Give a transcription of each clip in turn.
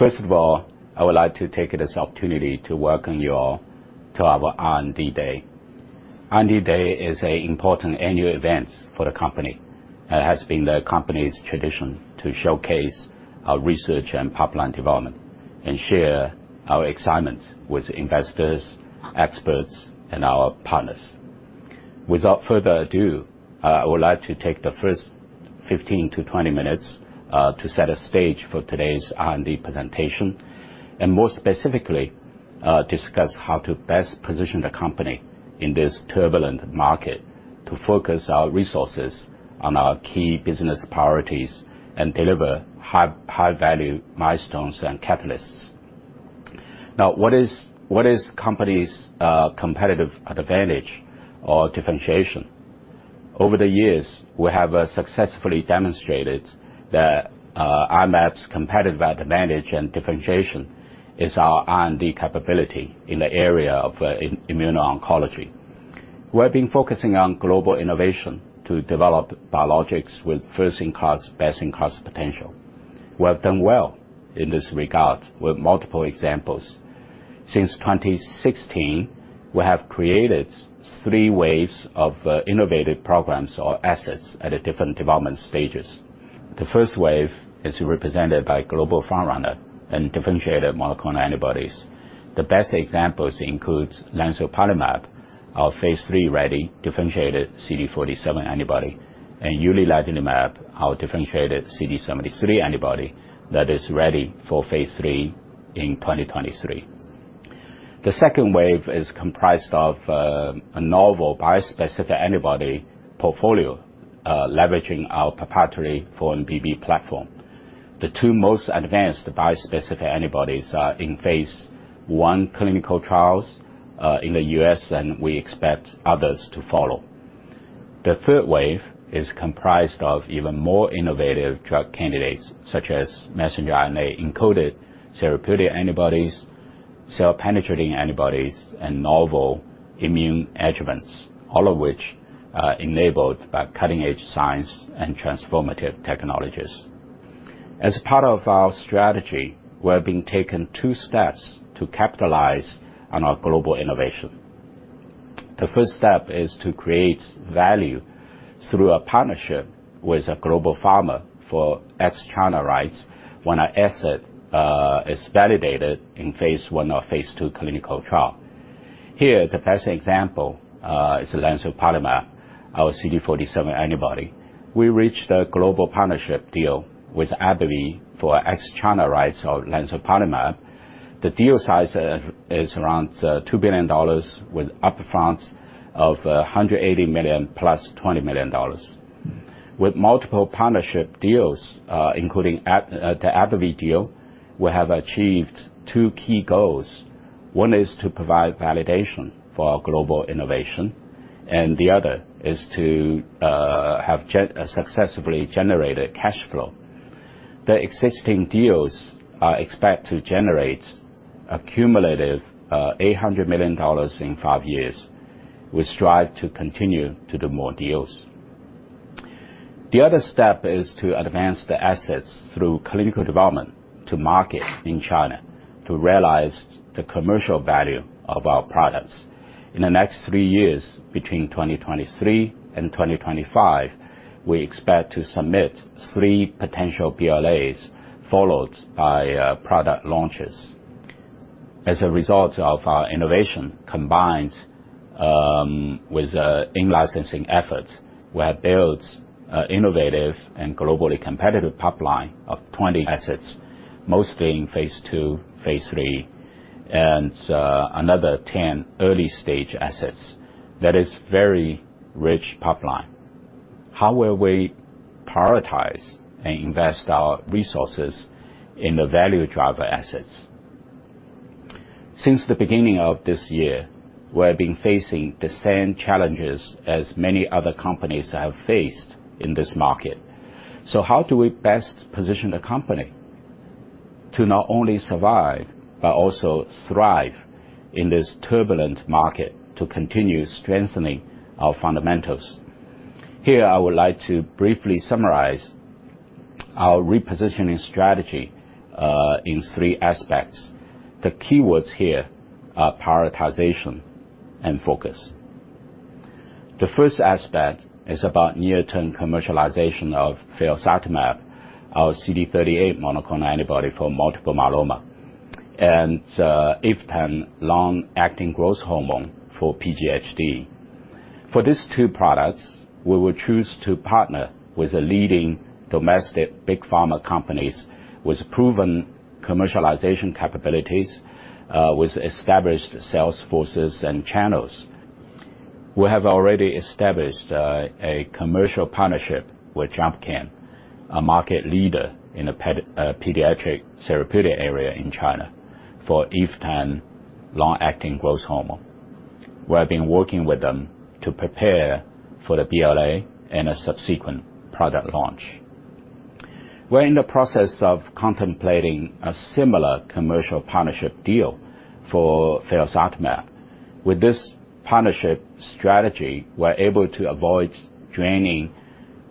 First of all, I would like to take this opportunity to welcome you all to our R&D Day. R&D Day is an important annual event for the company. It has been the company's tradition to showcase our research and pipeline development and share our excitement with investors, experts, and our partners. Without further ado, I would like to take the first 15 to 20 minutes to set a stage for today's R&D presentation, and more specifically, discuss how to best position the company in this turbulent market to focus our resources on our key business priorities and deliver high-value milestones and catalysts. Now, what is the company's competitive advantage or differentiation? Over the years, we have successfully demonstrated that I-Mab's competitive advantage and differentiation is our R&D capability in the area of immuno-oncology. We have been focusing on global innovation to develop biologics with first-in-class, best-in-class potential. We have done well in this regard with multiple examples. Since 2016, we have created three waves of innovative programs or assets at different development stages. The first wave is represented by global frontrunner and differentiated monoclonal antibodies. The best examples include lemzoparlimab, our phase III-ready differentiated CD47 antibody, and uliledlimab, our differentiated CD73 antibody that is ready for phase III in 2023. The second wave is comprised of a novel bispecific antibody portfolio, leveraging our proprietary 4-1BB platform. The two most advanced bispecific antibodies are in phase I clinical trials in the U.S., and we expect others to follow. The third wave is comprised of even more innovative drug candidates such as messenger RNA-encoded therapeutic antibodies, cell-penetrating antibodies, and novel immune adjuvants, all of which are enabled by cutting-edge science and transformative technologies. As part of our strategy, we have been taking two steps to capitalize on our global innovation. The first step is to create value through a partnership with a global pharma for ex-China rights when our asset is validated in phase I or phase II clinical trial. Here, the best example is the lemzoparlimab, our CD47 antibody. We reached a global partnership deal with AbbVie for ex-China rights of lemzoparlimab. The deal size is around $2 billion with upfront of $180 million + $20 million. With multiple partnership deals, including the AbbVie deal, we have achieved two key goals. One is to provide validation for our global innovation, and the other is to successfully generated cash flow. The existing deals are expected to generate a cumulative $800 million in five years. We strive to continue to do more deals. The other step is to advance the assets through clinical development to market in China to realize the commercial value of our products. In the next three years, between 2023 and 2025, we expect to submit three potential PLAs followed by product launches. As a result of our innovation combined with in-licensing efforts, we have built innovative and globally competitive pipeline of 20 assets, mostly in phase II, phase III, and another 10 early stage assets. That is very rich pipeline. How will we prioritize and invest our resources in the value driver assets? Since the beginning of this year, we have been facing the same challenges as many other companies have faced in this market. How do we best position the company to not only survive, but also thrive in this turbulent market to continue strengthening our fundamentals? Here, I would like to briefly summarize our repositioning strategy in three aspects. The keywords here are prioritization and focus. The first aspect is about near-term commercialization of felzartamab, our CD38 monoclonal antibody for multiple myeloma, and eftan long-acting growth hormone for PGHD. For these two products, we will choose to partner with the leading domestic big pharma companies with proven commercialization capabilities with established sales forces and channels. We have already established a commercial partnership with Jumpcan, a market leader in the pediatric therapeutic area in China for eftan long-acting growth hormone. We have been working with them to prepare for the BLA and a subsequent product launch. We're in the process of contemplating a similar commercial partnership deal for felzartamab. With this partnership strategy, we're able to avoid draining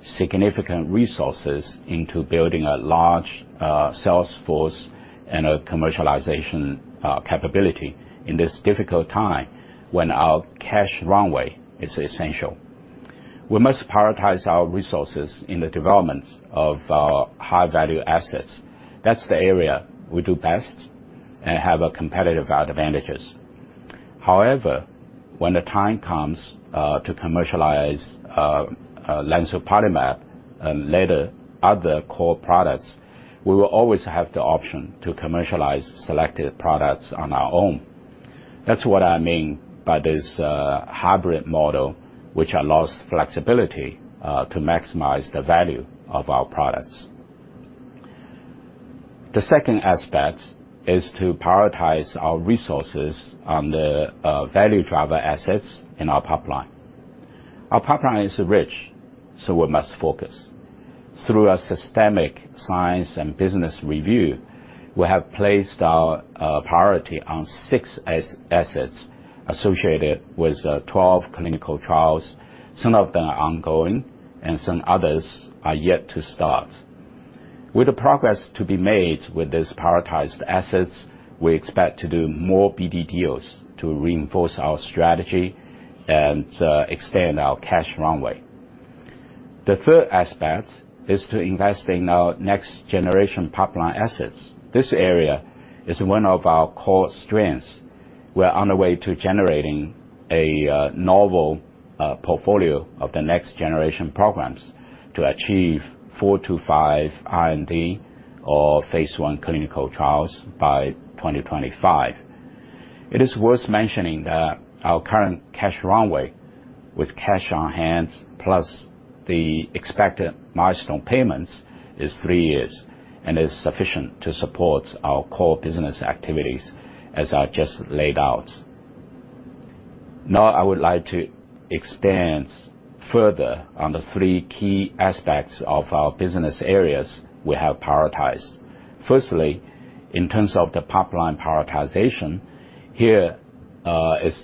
significant resources into building a large sales force and a commercialization capability in this difficult time when our cash runway is essential. We must prioritize our resources in the developments of our high-value assets. That's the area we do best and have a competitive advantages. However, when the time comes to commercialize lemzoparlimab, and later other core products, we will always have the option to commercialize selected products on our own. That's what I mean by this hybrid model, which allows flexibility to maximize the value of our products. The second aspect is to prioritize our resources on the value driver assets in our pipeline. Our pipeline is rich, so we must focus. Through a systematic science and business review, we have placed our priority on six assets associated with 12 clinical trials. Some of them are ongoing, and some others are yet to start. With the progress to be made with these prioritized assets, we expect to do more BD deals to reinforce our strategy and extend our cash runway. The third aspect is to invest in our next-generation pipeline assets. This area is one of our core strengths. We're on the way to generating a novel portfolio of the next-generation programs to achieve four to five R&D or phase I clinical trials by 2025. It is worth mentioning that our current cash runway with cash on hand plus the expected milestone payments is three years and is sufficient to support our core business activities as I just laid out. Now I would like to expand further on the three key aspects of our business areas we have prioritized. Firstly, in terms of the pipeline prioritization, here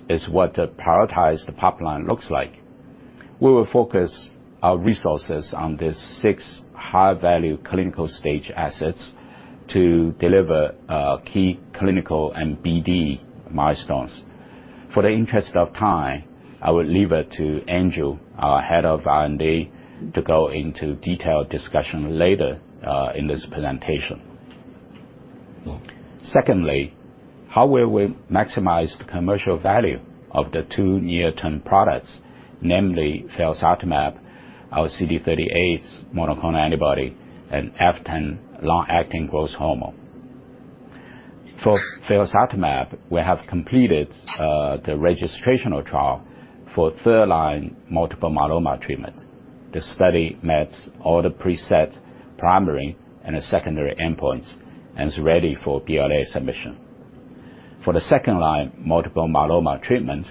is what the prioritized pipeline looks like. We will focus our resources on these six high-value clinical stage assets to deliver key clinical and BD milestones. For the interest of time, I will leave it to Andrew, our head of R&D, to go into detailed discussion later in this presentation. Secondly, how will we maximize the commercial value of the two near-term products, namely felzartamab, our CD38 monoclonal antibody, and eftan long-acting growth hormone. For felzartamab, we have completed the registrational trial for third-line multiple myeloma treatment. The study met all the preset primary and secondary endpoints and is ready for BLA submission. For the second-line multiple myeloma treatment,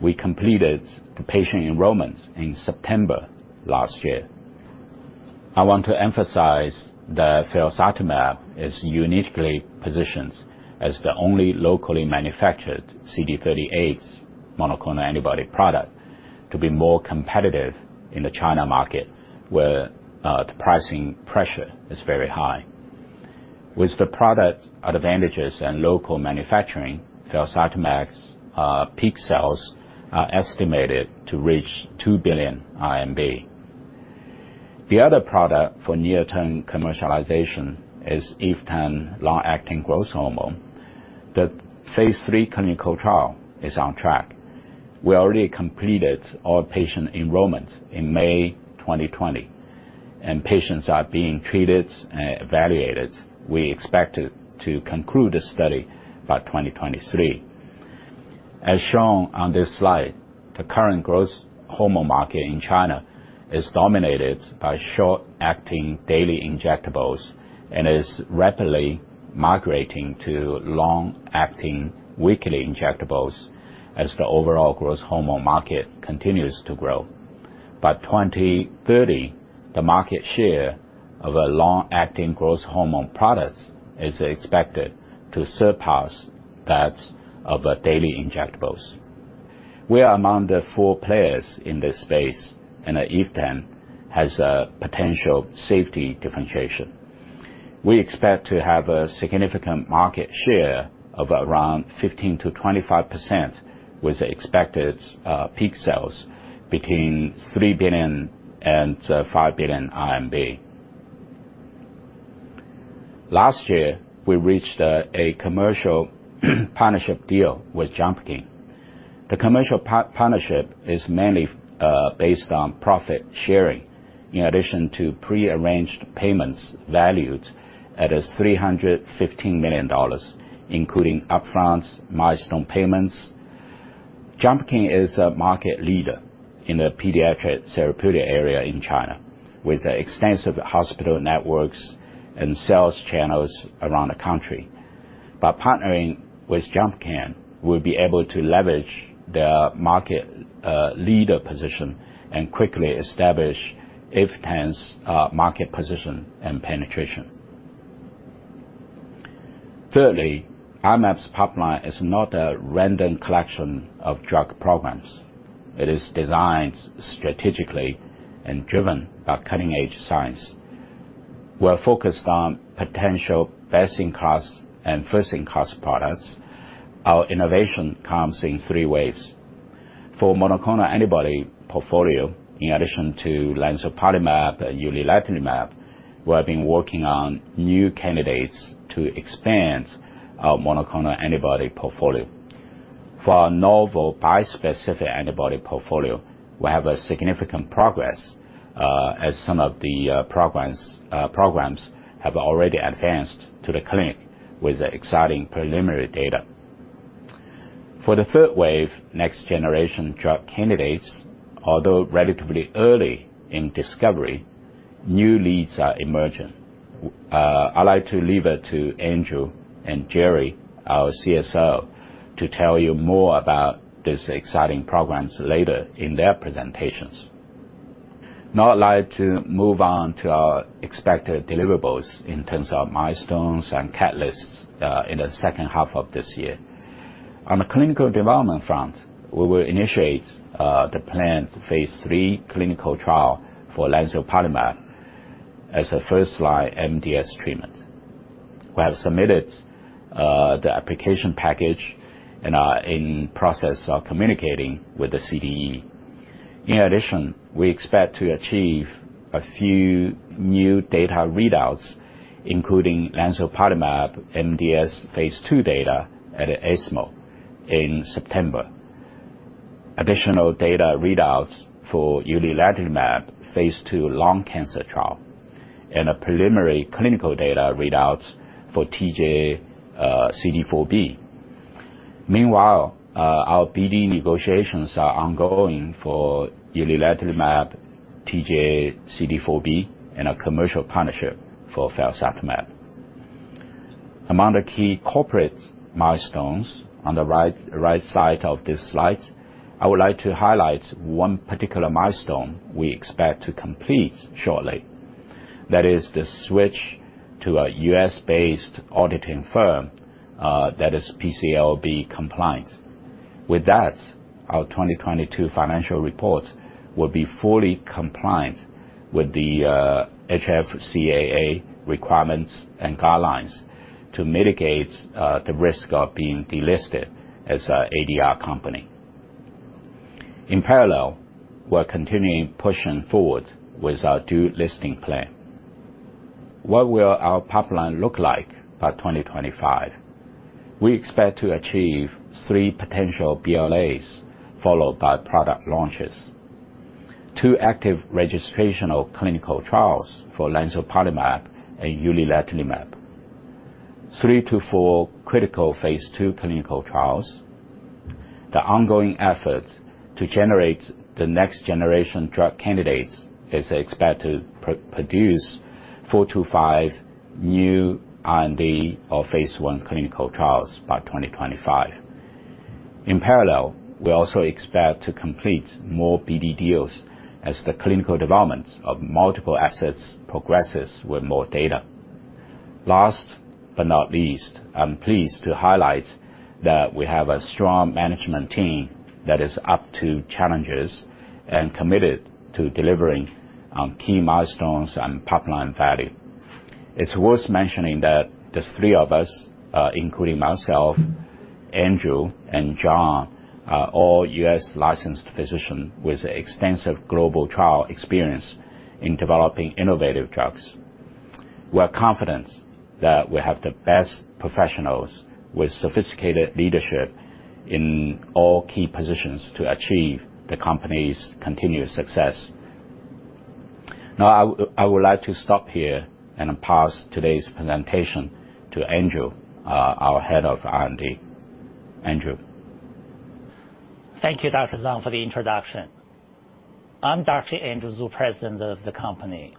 we completed the patient enrollments in September last year. I want to emphasize that felzartamab is uniquely positioned as the only locally manufactured CD38 monoclonal antibody product to be more competitive in the China market, where the pricing pressure is very high. With the product advantages and local manufacturing, felzartamab's peak sales are estimated to reach 2 billion RMB. The other product for near-term commercialization is eftan long-acting growth hormone. The phase III clinical trial is on track. We already completed all patient enrollments in May 2020, and patients are being treated and evaluated. We expect to conclude the study by 2023. As shown on this slide, the current growth hormone market in China is dominated by short-acting daily injectables and is rapidly migrating to long-acting weekly injectables as the overall growth hormone market continues to grow. By 2030, the market share of long-acting growth hormone products is expected to surpass that of daily injectables. We are among the four players in this space, and eftan has a potential safety differentiation. We expect to have a significant market share of around 15%-25%, with expected peak sales between 3 billion and 5 billion RMB. Last year, we reached a commercial partnership deal with Jumpcan. The commercial partnership is mainly based on profit sharing in addition to prearranged payments valued at $315 million, including upfront milestone payments. Jumpcan is a market leader in the pediatric therapeutic area in China, with extensive hospital networks and sales channels around the country. By partnering with Jumpcan, we'll be able to leverage their market leader position and quickly establish eftan's market position and penetration. Thirdly, I-Mab's pipeline is not a random collection of drug programs. It is designed strategically and driven by cutting-edge science. We're focused on potential best-in-class and first-in-class products. Our innovation comes in three waves. For monoclonal antibody portfolio, in addition to lemzoparlimab and uliledlimab, we have been working on new candidates to expand our monoclonal antibody portfolio. For our novel bispecific antibody portfolio, we have a significant progress, as some of the programs have already advanced to the clinic with exciting preliminary data. For the third wave, next generation drug candidates, although relatively early in discovery, new leads are emerging. I'd like to leave it to Andrew and Jerry, our CSO, to tell you more about these exciting programs later in their presentations. Now I'd like to move on to our expected deliverables in terms of milestones and catalysts in the second half of this year. On the clinical development front, we will initiate the planned phase III clinical trial for lemzoparlimab as a first-line MDS treatment. We have submitted the application package and are in process of communicating with the CDE. In addition, we expect to achieve a few new data readouts, including lemzoparlimab MDS phase II data at ESMO in September. Additional data readouts for uliledlimab phase II lung cancer trial, and a preliminary clinical data readouts for TJ-CD4B. Meanwhile, our BD negotiations are ongoing for uliledlimab, TJ-CD4B and a commercial partnership for felzartamab. Among the key corporate milestones on the right side of this slide, I would like to highlight one particular milestone we expect to complete shortly. That is the switch to a U.S. based auditing firm that is PCAOB compliant. With that, our 2022 financial report will be fully compliant with the HFCAA requirements and guidelines to mitigate the risk of being delisted as an ADR company. In parallel, we're continuing pushing forward with our dual listing plan. What will our pipeline look like by 2025? We expect to achieve three potential BLAs followed by product launches. Two active registrational clinical trials for lemzoparlimab and uliledlimab. Three to four critical phase II clinical trials. The ongoing efforts to generate the next generation drug candidates is expected to produce four to five new R&D or phase I clinical trials by 2025. In parallel, we also expect to complete more BD deals as the clinical development of multiple assets progresses with more data. Last but not least, I'm pleased to highlight that we have a strong management team that is up to challenges and committed to delivering key milestones and pipeline value. It's worth mentioning that the three of us, including myself, Andrew, and John, are all U.S. licensed physicians with extensive global trial experience in developing innovative drugs. We are confident that we have the best professionals with sophisticated leadership in all key positions to achieve the company's continuous success. Now, I would like to stop here and pass today's presentation to Andrew, our Head of R&D. Andrew. Thank you, Dr. Zang, for the introduction. I'm Dr. Andrew Zhu, President of the company.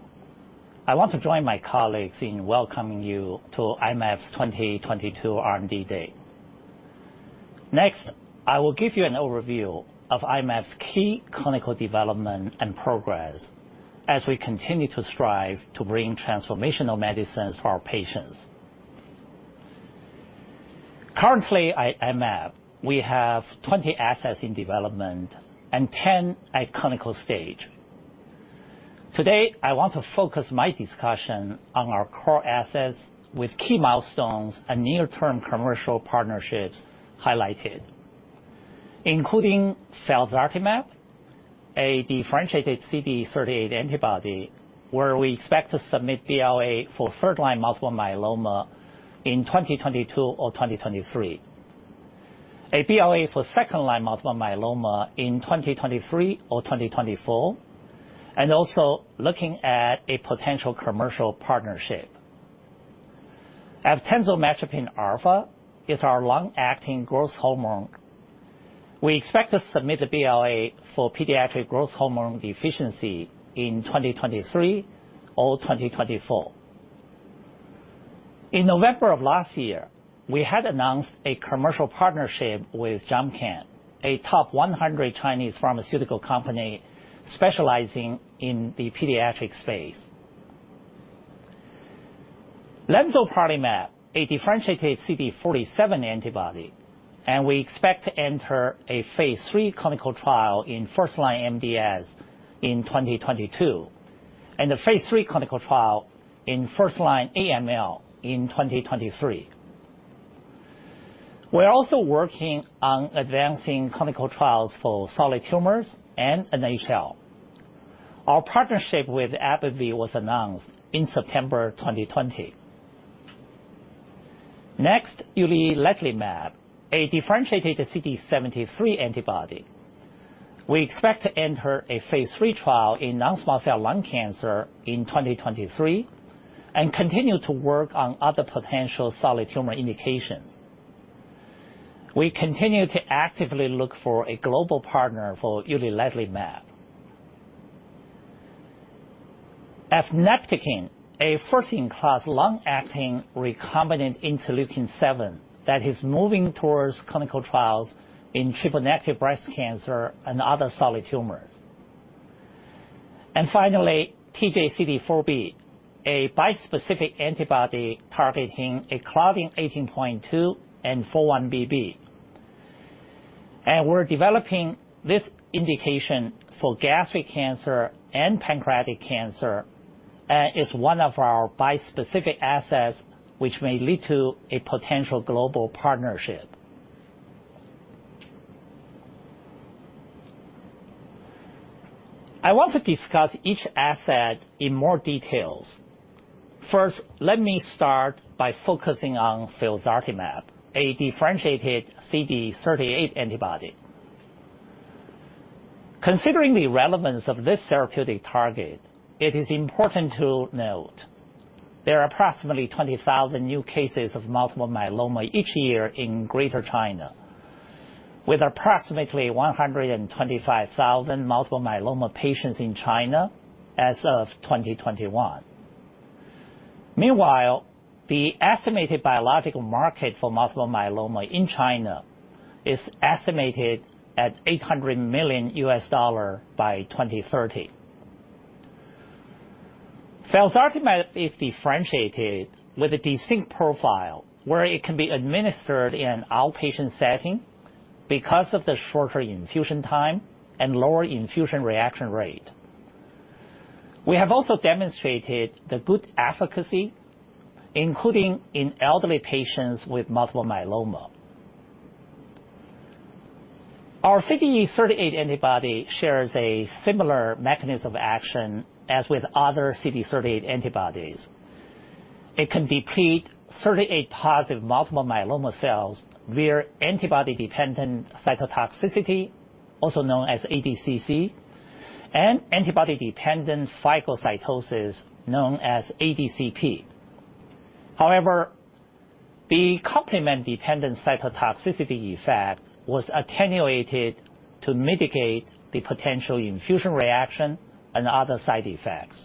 I want to join my colleagues in welcoming you to I-Mab's 2022 R&D Day. Next, I will give you an overview of I-Mab's key clinical development and progress as we continue to strive to bring transformational medicines for our patients. Currently at I-Mab, we have 20 assets in development and 10 at clinical stage. Today, I want to focus my discussion on our core assets with key milestones and near-term commercial partnerships highlighted, including felzartamab, a differentiated CD38 antibody where we expect to submit BLA for third-line multiple myeloma in 2022 or 2023. A BLA for second-line multiple myeloma in 2023 or 2024, and also looking at a potential commercial partnership. Eftansomatropin alfa is our long-acting growth hormone. We expect to submit a BLA for pediatric growth hormone deficiency in 2023 or 2024. In November of last year, we had announced a commercial partnership with Jumpcan, a top 100 Chinese pharmaceutical company specializing in the pediatric space. Lemzoparlimab, a differentiated CD47 antibody, and we expect to enter a phase III clinical trial in first-line MDS in 2022, and a phase III clinical trial in first-line AML in 2023. We are also working on advancing clinical trials for solid tumors and NHL. Our partnership with AbbVie was announced in September 2020. Next, uliledlimab, a differentiated CD73 antibody. We expect to enter a phase three trial in non-small cell lung cancer in 2023 and continue to work on other potential solid tumor indications. We continue to actively look for a global partner for uliledlimab. Efineptakin, a first-in-class long-acting recombinant interleukin-7 that is moving towards clinical trials in triple-negative breast cancer and other solid tumors. Finally, TJ-CD4B, a bispecific antibody targeting claudin 18.2 and 4-1BB. We're developing these indications for gastric cancer and pancreatic cancer, and it is one of our bispecific assets which may lead to a potential global partnership. I want to discuss each asset in more detail. First, let me start by focusing on felzartamab, a differentiated CD38 antibody. Considering the relevance of this therapeutic target, it is important to note there are approximately 20,000 new cases of multiple myeloma each year in Greater China, with approximately 125,000 multiple myeloma patients in China as of 2021. Meanwhile, the estimated biologics market for multiple myeloma in China is estimated at $800 million by 2030. Felzartamab is differentiated with a distinct profile, where it can be administered in an outpatient setting because of the shorter infusion time and lower infusion reaction rate. We have also demonstrated the good efficacy, including in elderly patients with multiple myeloma. Our CD38 antibody shares a similar mechanism of action as with other CD38 antibodies. It can deplete CD38-positive multiple myeloma cells via antibody-dependent cytotoxicity, also known as ADCC, and antibody-dependent phagocytosis, known as ADCP. However, the complement-dependent cytotoxicity effect was attenuated to mitigate the potential infusion reaction and other side effects.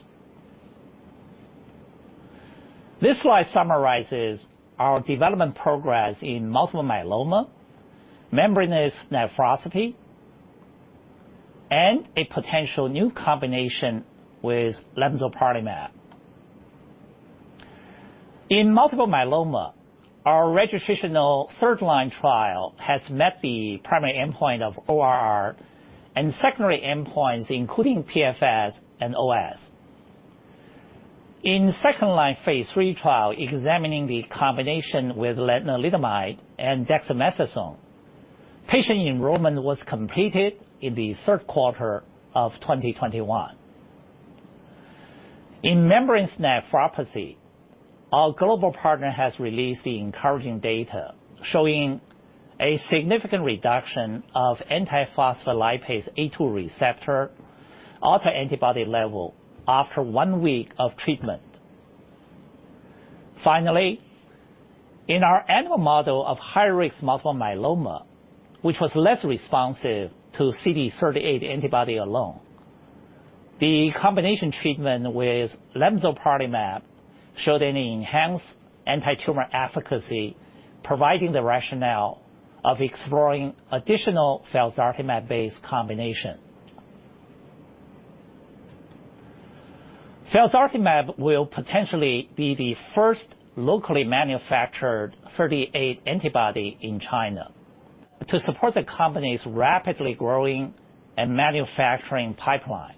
This slide summarizes our development progress in multiple myeloma, membranous nephropathy, and a potential new combination with lemzoparlimab. In multiple myeloma, our registrational third-line trial has met the primary endpoint of ORR and secondary endpoints, including PFS and OS. In second-line phase III trial examining the combination with lenalidomide and dexamethasone, patient enrollment was completed in the third quarter of 2021. In membranous nephropathy, our global partner has released the encouraging data showing a significant reduction of anti-phospholipase A2 receptor autoantibody level after one week of treatment. Finally, in our animal model of high-risk multiple myeloma, which was less responsive to CD38 antibody alone, the combination treatment with lemzoparlimab showed an enhanced antitumor efficacy, providing the rationale of exploring additional felzartamab-based combination. Felzartamab will potentially be the first locally manufactured CD38 antibody in China. To support the company's rapidly growing and manufacturing pipeline,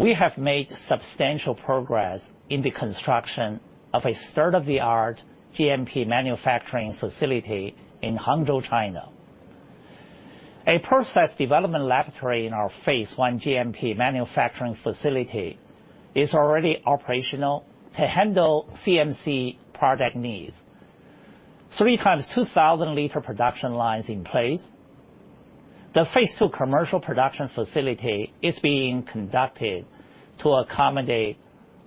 we have made substantial progress in the construction of a state-of-the-art GMP manufacturing facility in Hangzhou, China. A process development laboratory in our phase I GMP manufacturing facility is already operational to handle CMC product needs. Three times 2,000 L production lines in place. The phase II commercial production facility is being constructed to accommodate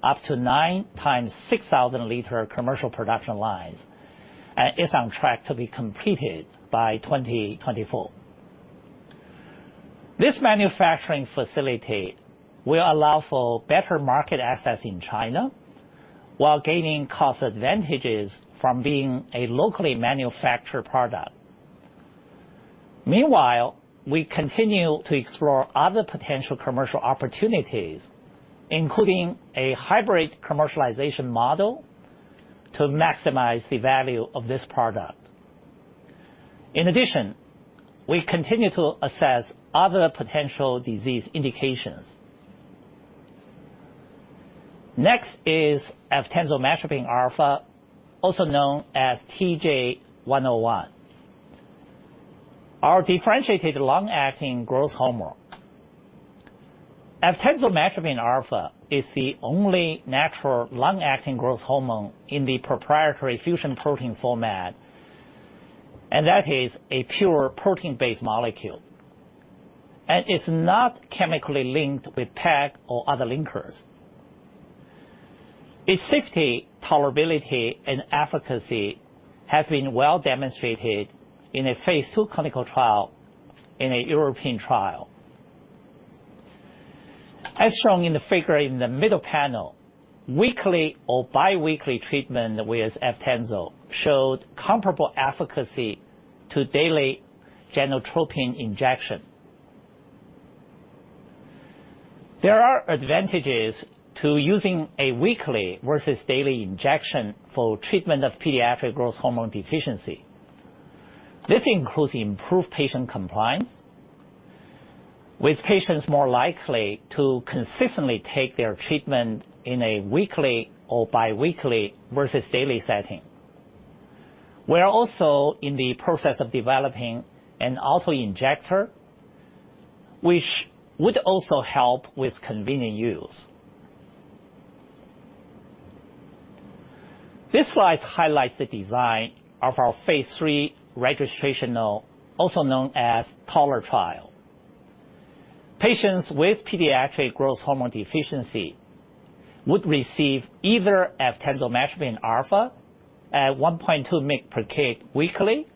up to nine times 6,000 L commercial production lines, and is on track to be completed by 2024. This manufacturing facility will allow for better market access in China while gaining cost advantages from being a locally manufactured product. Meanwhile, we continue to explore other potential commercial opportunities, including a hybrid commercialization model, to maximize the value of this product. In addition, we continue to assess other potential disease indications. Next is Eftansomatropin alfa, also known as TJ101. Our differentiated long-acting growth hormone. Eftansomatropin alfa is the only natural long-acting growth hormone in the proprietary fusion protein format, and that is a pure protein-based molecule. It's not chemically linked with PEG or other linkers. Its safety, tolerability, and efficacy have been well demonstrated in a phase II clinical trial in a European trial. As shown in the figure in the middle panel, weekly or bi-weekly treatment with Eftansomatropin alfa showed comparable efficacy to daily Genotropin injection. There are advantages to using a weekly versus daily injection for treatment of pediatric growth hormone deficiency. This includes improved patient compliance, with patients more likely to consistently take their treatment in a weekly or bi-weekly versus daily setting. We're also in the process of developing an auto-injector, which would also help with convenient use. This slide highlights the design of our phase III registrational, also known as TALLER trial. Patients with pediatric growth hormone deficiency would receive either eftansomatropin alfa at 1.2 mg/kg weekly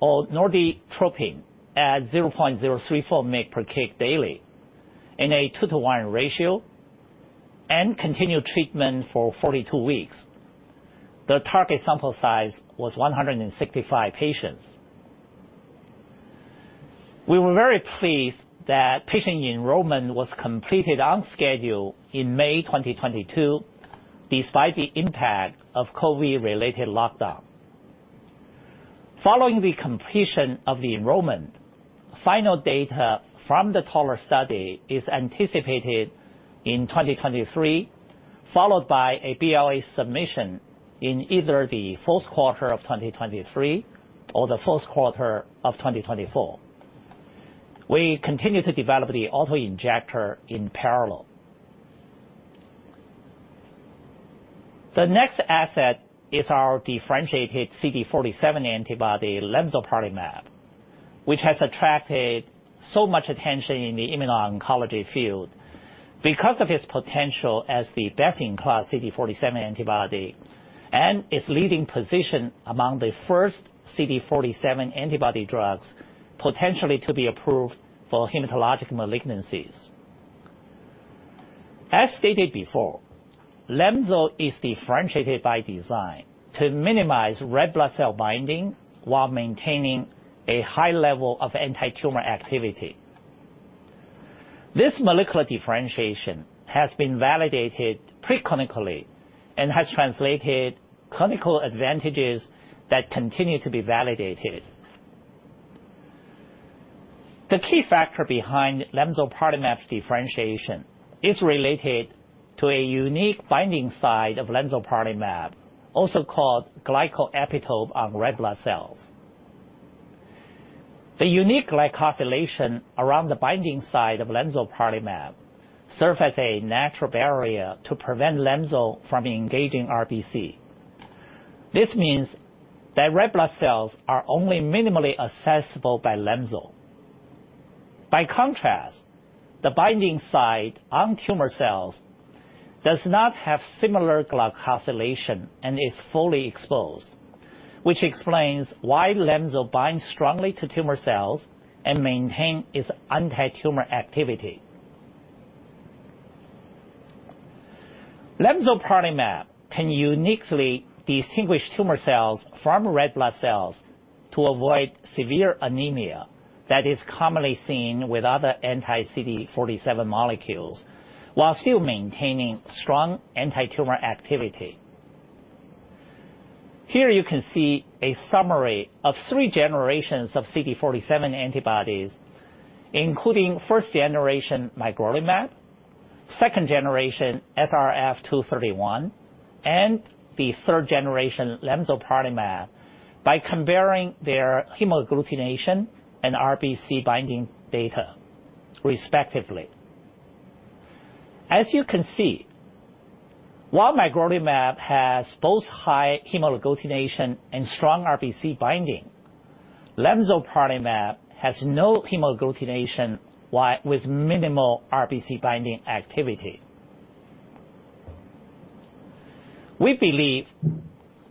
or Norditropin at 0.034 mg/kg daily in a 2:1 ratio and continue treatment for 42 weeks. The target sample size was 165 patients. We were very pleased that patient enrollment was completed on schedule in May 2022, despite the impact of COVID-related lockdown. Following the completion of the enrollment, final data from the TALLER trial is anticipated in 2023, followed by a BLA submission in either the fourth quarter of 2023 or the first quarter of 2024. We continue to develop the auto-injector in parallel. The next asset is our differentiated CD47 antibody, lemzoparlimab, which has attracted so much attention in the immuno-oncology field because of its potential as the best-in-class CD47 antibody and its leading position among the first CD47 antibody drugs potentially to be approved for hematologic malignancies. As stated before, lemzo is differentiated by design to minimize red blood cell binding while maintaining a high level of antitumor activity. This molecular differentiation has been validated pre-clinically and has translated clinical advantages that continue to be validated. The key factor behind lemzoparlimab's differentiation is related to a unique binding site of lemzoparlimab, also called glycoepitope on red blood cells. The unique glycosylation around the binding site of lemzoparlimab serve as a natural barrier to prevent lemzo from engaging RBC. This means that red blood cells are only minimally accessible by lemzo. By contrast, the binding site on tumor cells does not have similar glycosylation and is fully exposed, which explains why lemzo binds strongly to tumor cells and maintain its antitumor activity. Lemzoparlimab can uniquely distinguish tumor cells from red blood cells to avoid severe anemia that is commonly seen with other anti-CD47 molecules while still maintaining strong antitumor activity. Here you can see a summary of three generations of CD47 antibodies, including first generation magrolimab, second generation SRF231, and the third generation lemzoparlimab, by comparing their hemagglutination and RBC binding data respectively. As you can see, while magrolimab has both high hemagglutination and strong RBC binding, lemzoparlimab has no hemagglutination with minimal RBC binding activity. We believe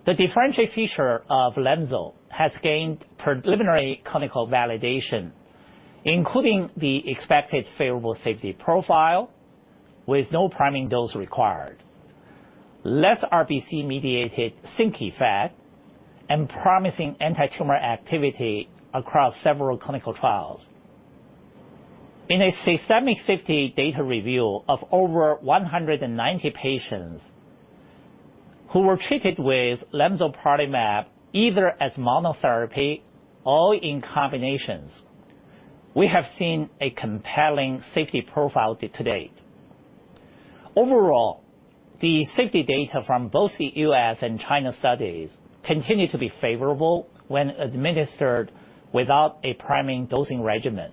the differentiated feature of lemzo has gained preliminary clinical validation, including the expected favorable safety profile with no priming dose required, less RBC-mediated sink effect, and promising antitumor activity across several clinical trials. In a systemic safety data review of over 190 patients who were treated with lemzoparlimab, either as monotherapy or in combinations, we have seen a compelling safety profile to date. Overall, the safety data from both the U.S. and China studies continue to be favorable when administered without a priming dosing regimen.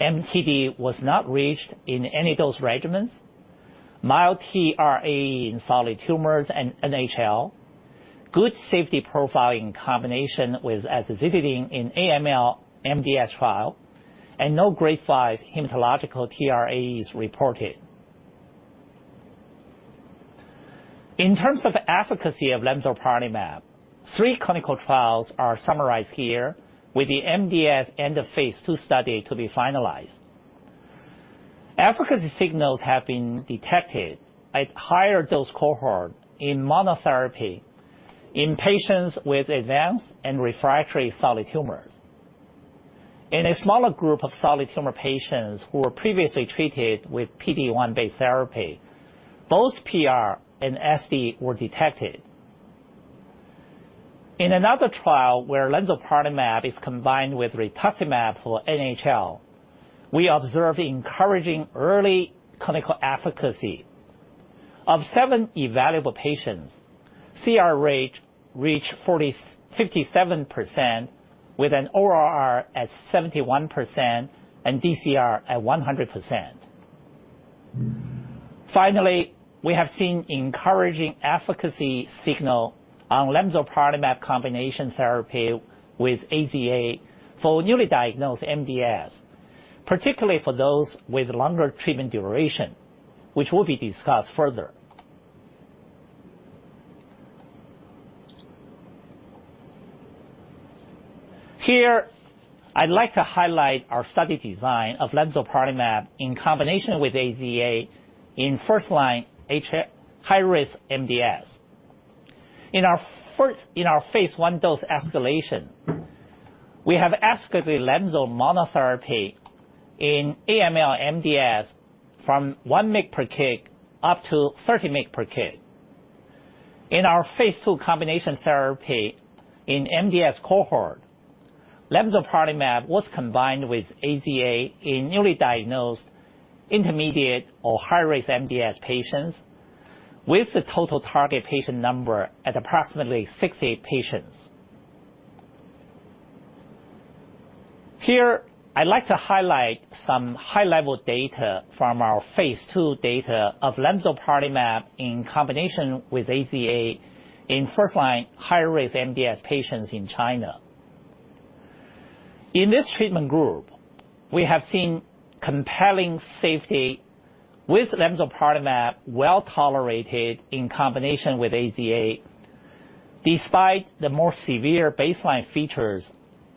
MTD was not reached in any dose regimens. Mild TRA in solid tumors and NHL. Good safety profile in combination with azacitidine in AML MDS trial, and no grade 5 hematological TRAEs reported. In terms of efficacy of lemzoparlimab, three clinical trials are summarized here with the MDS and the phase II study to be finalized. Efficacy signals have been detected at higher dose cohort in monotherapy in patients with advanced and refractory solid tumors. In a smaller group of solid tumor patients who were previously treated with PD-1 based therapy, both PR and SD were detected. In another trial where lemzoparlimab is combined with rituximab for NHL, we observed encouraging early clinical efficacy. Of seven evaluable patients, CR rate reached 57% with an ORR at 71% and DCR at 100%. Finally, we have seen encouraging efficacy signal on lemzoparlimab combination therapy with AZA for newly diagnosed MDS, particularly for those with longer treatment duration, which will be discussed further. Here, I'd like to highlight our study design of lemzoparlimab in combination with AZA in first-line high-risk MDS. In our phase I dose escalation, we have escalated lemzoparlimab monotherapy in AML MDS from 1 mg per kg up to 30 mg per kg. In our phase II combination therapy in MDS cohort, lemzoparlimab was combined with AZA in newly diagnosed intermediate or high-risk MDS patients with the total target patient number at approximately 68 patients. Here, I'd like to highlight some high-level data from our phase II data of lemzoparlimab in combination with AZA in first-line high-risk MDS patients in China. In this treatment group, we have seen compelling safety with lemzoparlimab well-tolerated in combination with AZA, despite the more severe baseline features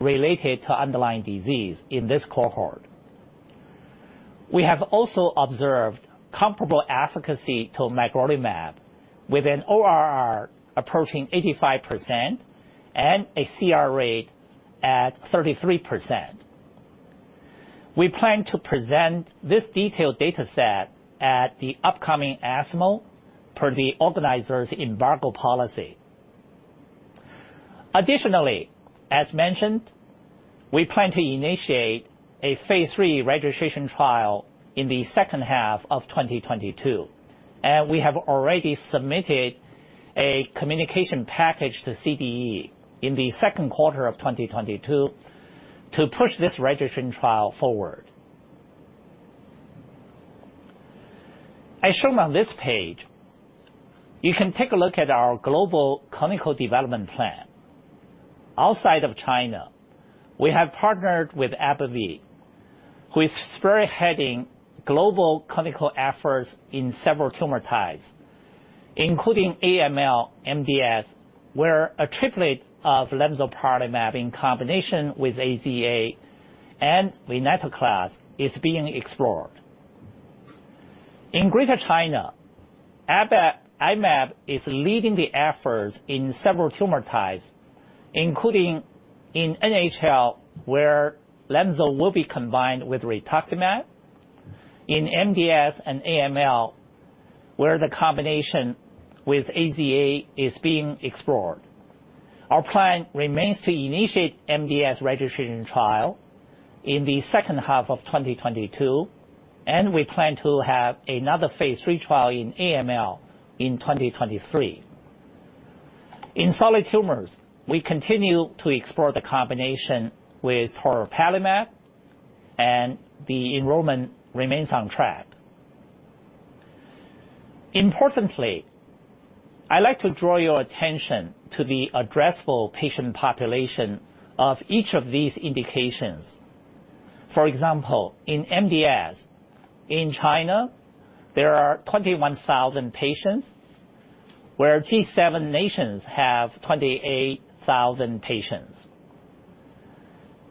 related to underlying disease in this cohort. We have also observed comparable efficacy to magrolimab with an ORR approaching 85% and a CR rate at 33%. We plan to present this detailed data set at the upcoming ESMO per the organizer's embargo policy. Additionally, as mentioned, we plan to initiate a phase III registration trial in the second half of 2022, and we have already submitted a communication package to CDE in the second quarter of 2022 to push this registration trial forward. As shown on this page, you can take a look at our global clinical development plan. Outside of China, we have partnered with AbbVie, who is spearheading global clinical efforts in several tumor types, including AML, MDS, where a triplet of lemzoparlimab in combination with AZA and venetoclax is being explored. In Greater China, AbbVie is leading the efforts in several tumor types, including in NHL, where lemzo will be combined with rituximab, in MDS and AML, where the combination with AZA is being explored. Our plan remains to initiate MDS registration trial in the second half of 2022, and we plan to have another phase III trial in AML in 2023. In solid tumors, we continue to explore the combination with toripalimab, and the enrollment remains on track. Importantly, I like to draw your attention to the addressable patient population of each of these indications. For example, in MDS, in China, there are 21,000 patients, where G7 nations have 28,000 patients.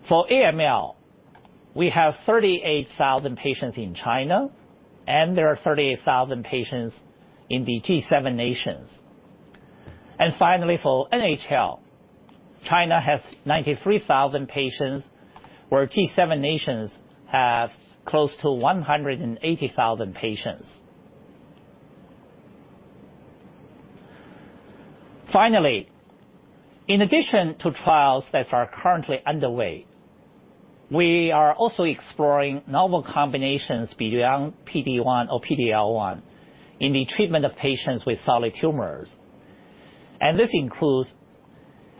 For AML, we have 38,000 patients in China, and there are 38,000 patients in the G7 nations. Finally, for NHL, China has 93,000 patients, where G7 nations have close to 180,000 patients. Finally, in addition to trials that are currently underway, we are also exploring novel combinations beyond PD-1 or PD-L1 in the treatment of patients with solid tumors. This includes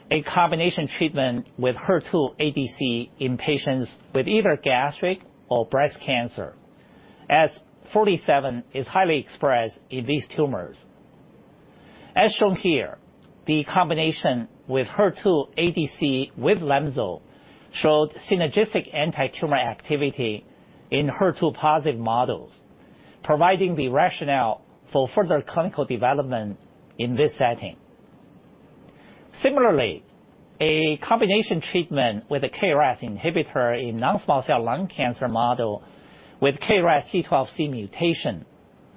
a combination treatment with HER2 ADC in patients with either gastric or breast cancer, as CD47 is highly expressed in these tumors. As shown here, the combination with HER2 ADC with lemzoparlimab showed synergistic antitumor activity in HER2-positive models, providing the rationale for further clinical development in this setting. Similarly, a combination treatment with a KRAS inhibitor in non-small cell lung cancer model with KRAS G12C mutation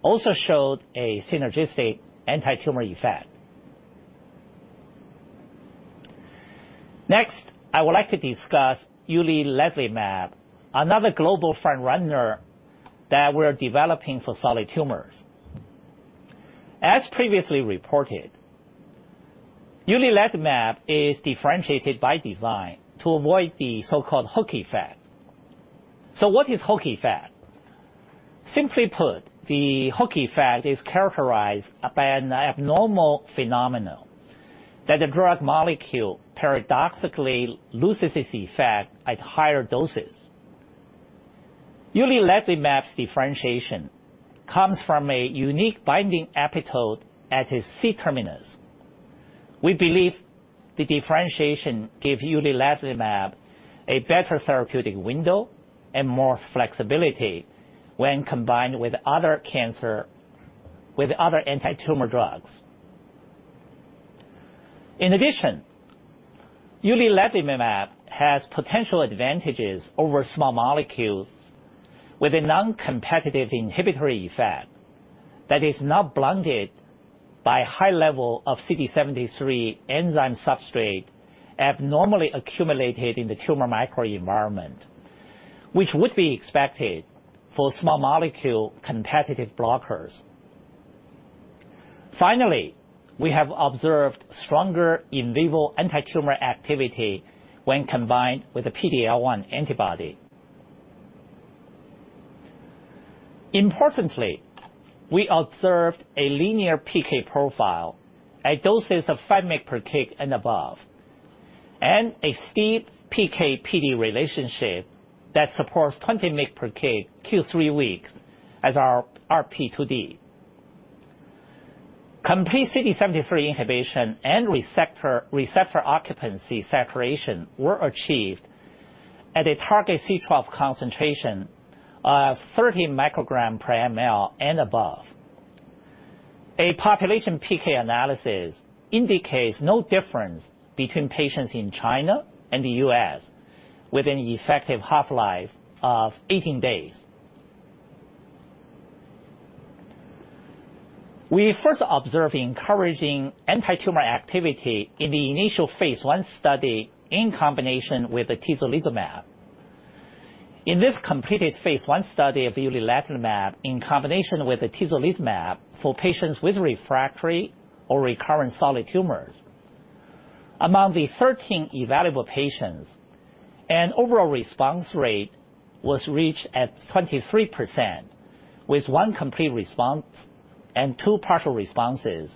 also showed a synergistic antitumor effect. Next, I would like to discuss uliledlimab, another global frontrunner that we're developing for solid tumors. As previously reported, uliledlimab is differentiated by design to avoid the so-called hook effect. So what is hook effect? Simply put, the hook effect is characterized by an abnormal phenomenon that the drug molecule paradoxically loses its effect at higher doses. Uliledlimab's differentiation comes from a unique binding epitope at its C-terminus. We believe the differentiation give uliledlimab a better therapeutic window and more flexibility when combined with other antitumor drugs. In addition, uliledlimab has potential advantages over small molecules with a non-competitive inhibitory effect that is not blunted by high level of CD73 enzyme substrate abnormally accumulated in the tumor microenvironment, which would be expected for small molecule competitive blockers. Finally, we have observed stronger in vivo antitumor activity when combined with a PD-L1 antibody. Importantly, we observed a linear PK profile at doses of 5 mg per kg and above, and a steep PK/PD relationship that supports 20 mg per kg Q3 weeks as our RP2D. Complete CD73 inhibition and receptor occupancy saturation were achieved at a target C trough concentration of 30 mcg per mL and above. A population PK analysis indicates no difference between patients in China and the U.S., with an effective half-life of 18 days. We first observed encouraging antitumor activity in the initial phase I study in combination with atezolizumab. In this completed phase I study of uliledlimab in combination with atezolizumab for patients with refractory or recurrent solid tumors, among the 13 evaluable patients, an overall response rate was reached at 23%, with one complete response and two partial responses,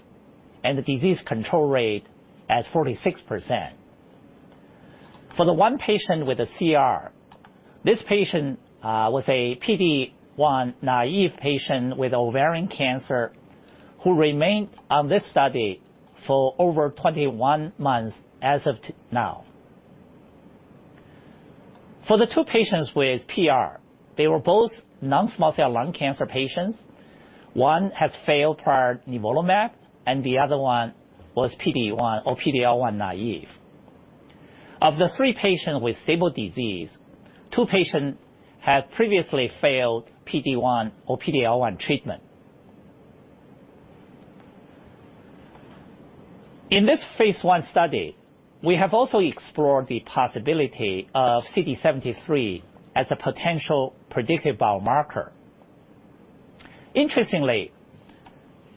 and the disease control rate at 46%. For the one patient with a CR, this patient was a PD-1 naive patient with ovarian cancer who remained on this study for over 21 months as of now. For the two patients with PR, they were both non-small cell lung cancer patients. One has failed prior nivolumab, and the other one was PD-1 or PD-L1 naive. Of the three patients with stable disease, two patients had previously failed PD-1 or PD-L1 treatment. In this phase I study, we have also explored the possibility of CD73 as a potential predictive biomarker. Interestingly,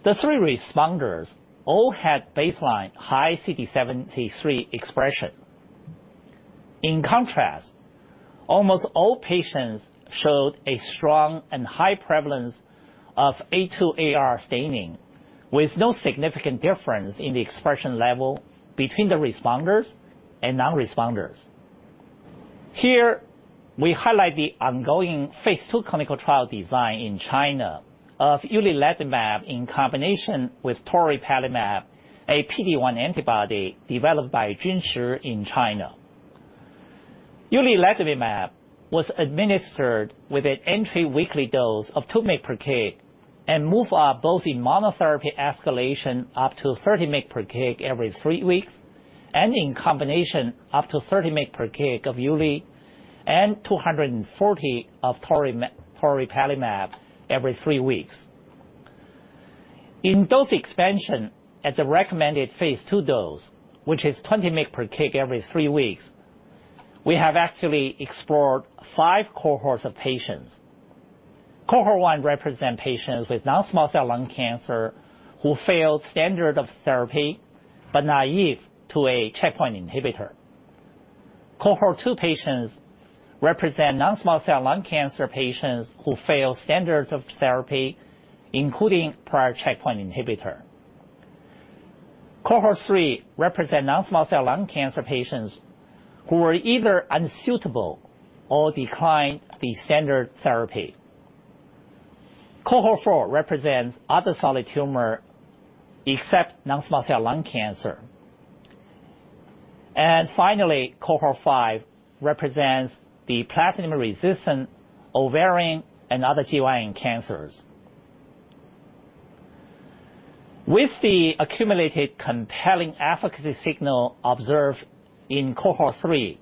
the three responders all had baseline high CD73 expression. In contrast, almost all patients showed a strong and high prevalence of A2AR staining, with no significant difference in the expression level between the responders and non-responders. Here, we highlight the ongoing phase II clinical trial design in China of uliledlimab in combination with toripalimab, a PD-1 antibody developed by Junshi in China. Uliledlimab was administered with an entry weekly dose of 2 mg per kg and in monotherapy escalation up to 30 mg per kg every three weeks, and in combination up to 30 mg per kg of uli and 240 of toripalimab every three weeks. In dose expansion at the recommended phase II dose, which is 20 mg per kg every three weeks, we have actually explored five cohorts of patients. Cohort 1 represents patients with non-small cell lung cancer who failed standard of therapy but naive to a checkpoint inhibitor. Cohort 2 patients represent non-small cell lung cancer patients who failed standards of therapy, including prior checkpoint inhibitor. Cohort 3 represents non-small cell lung cancer patients who were either unsuitable or declined the standard therapy. Cohort 4 represents other solid tumor except non-small cell lung cancer. Finally, cohort 5 represents the platinum-resistant ovarian and other GYN cancers. With the accumulated compelling efficacy signal observed in cohort 3,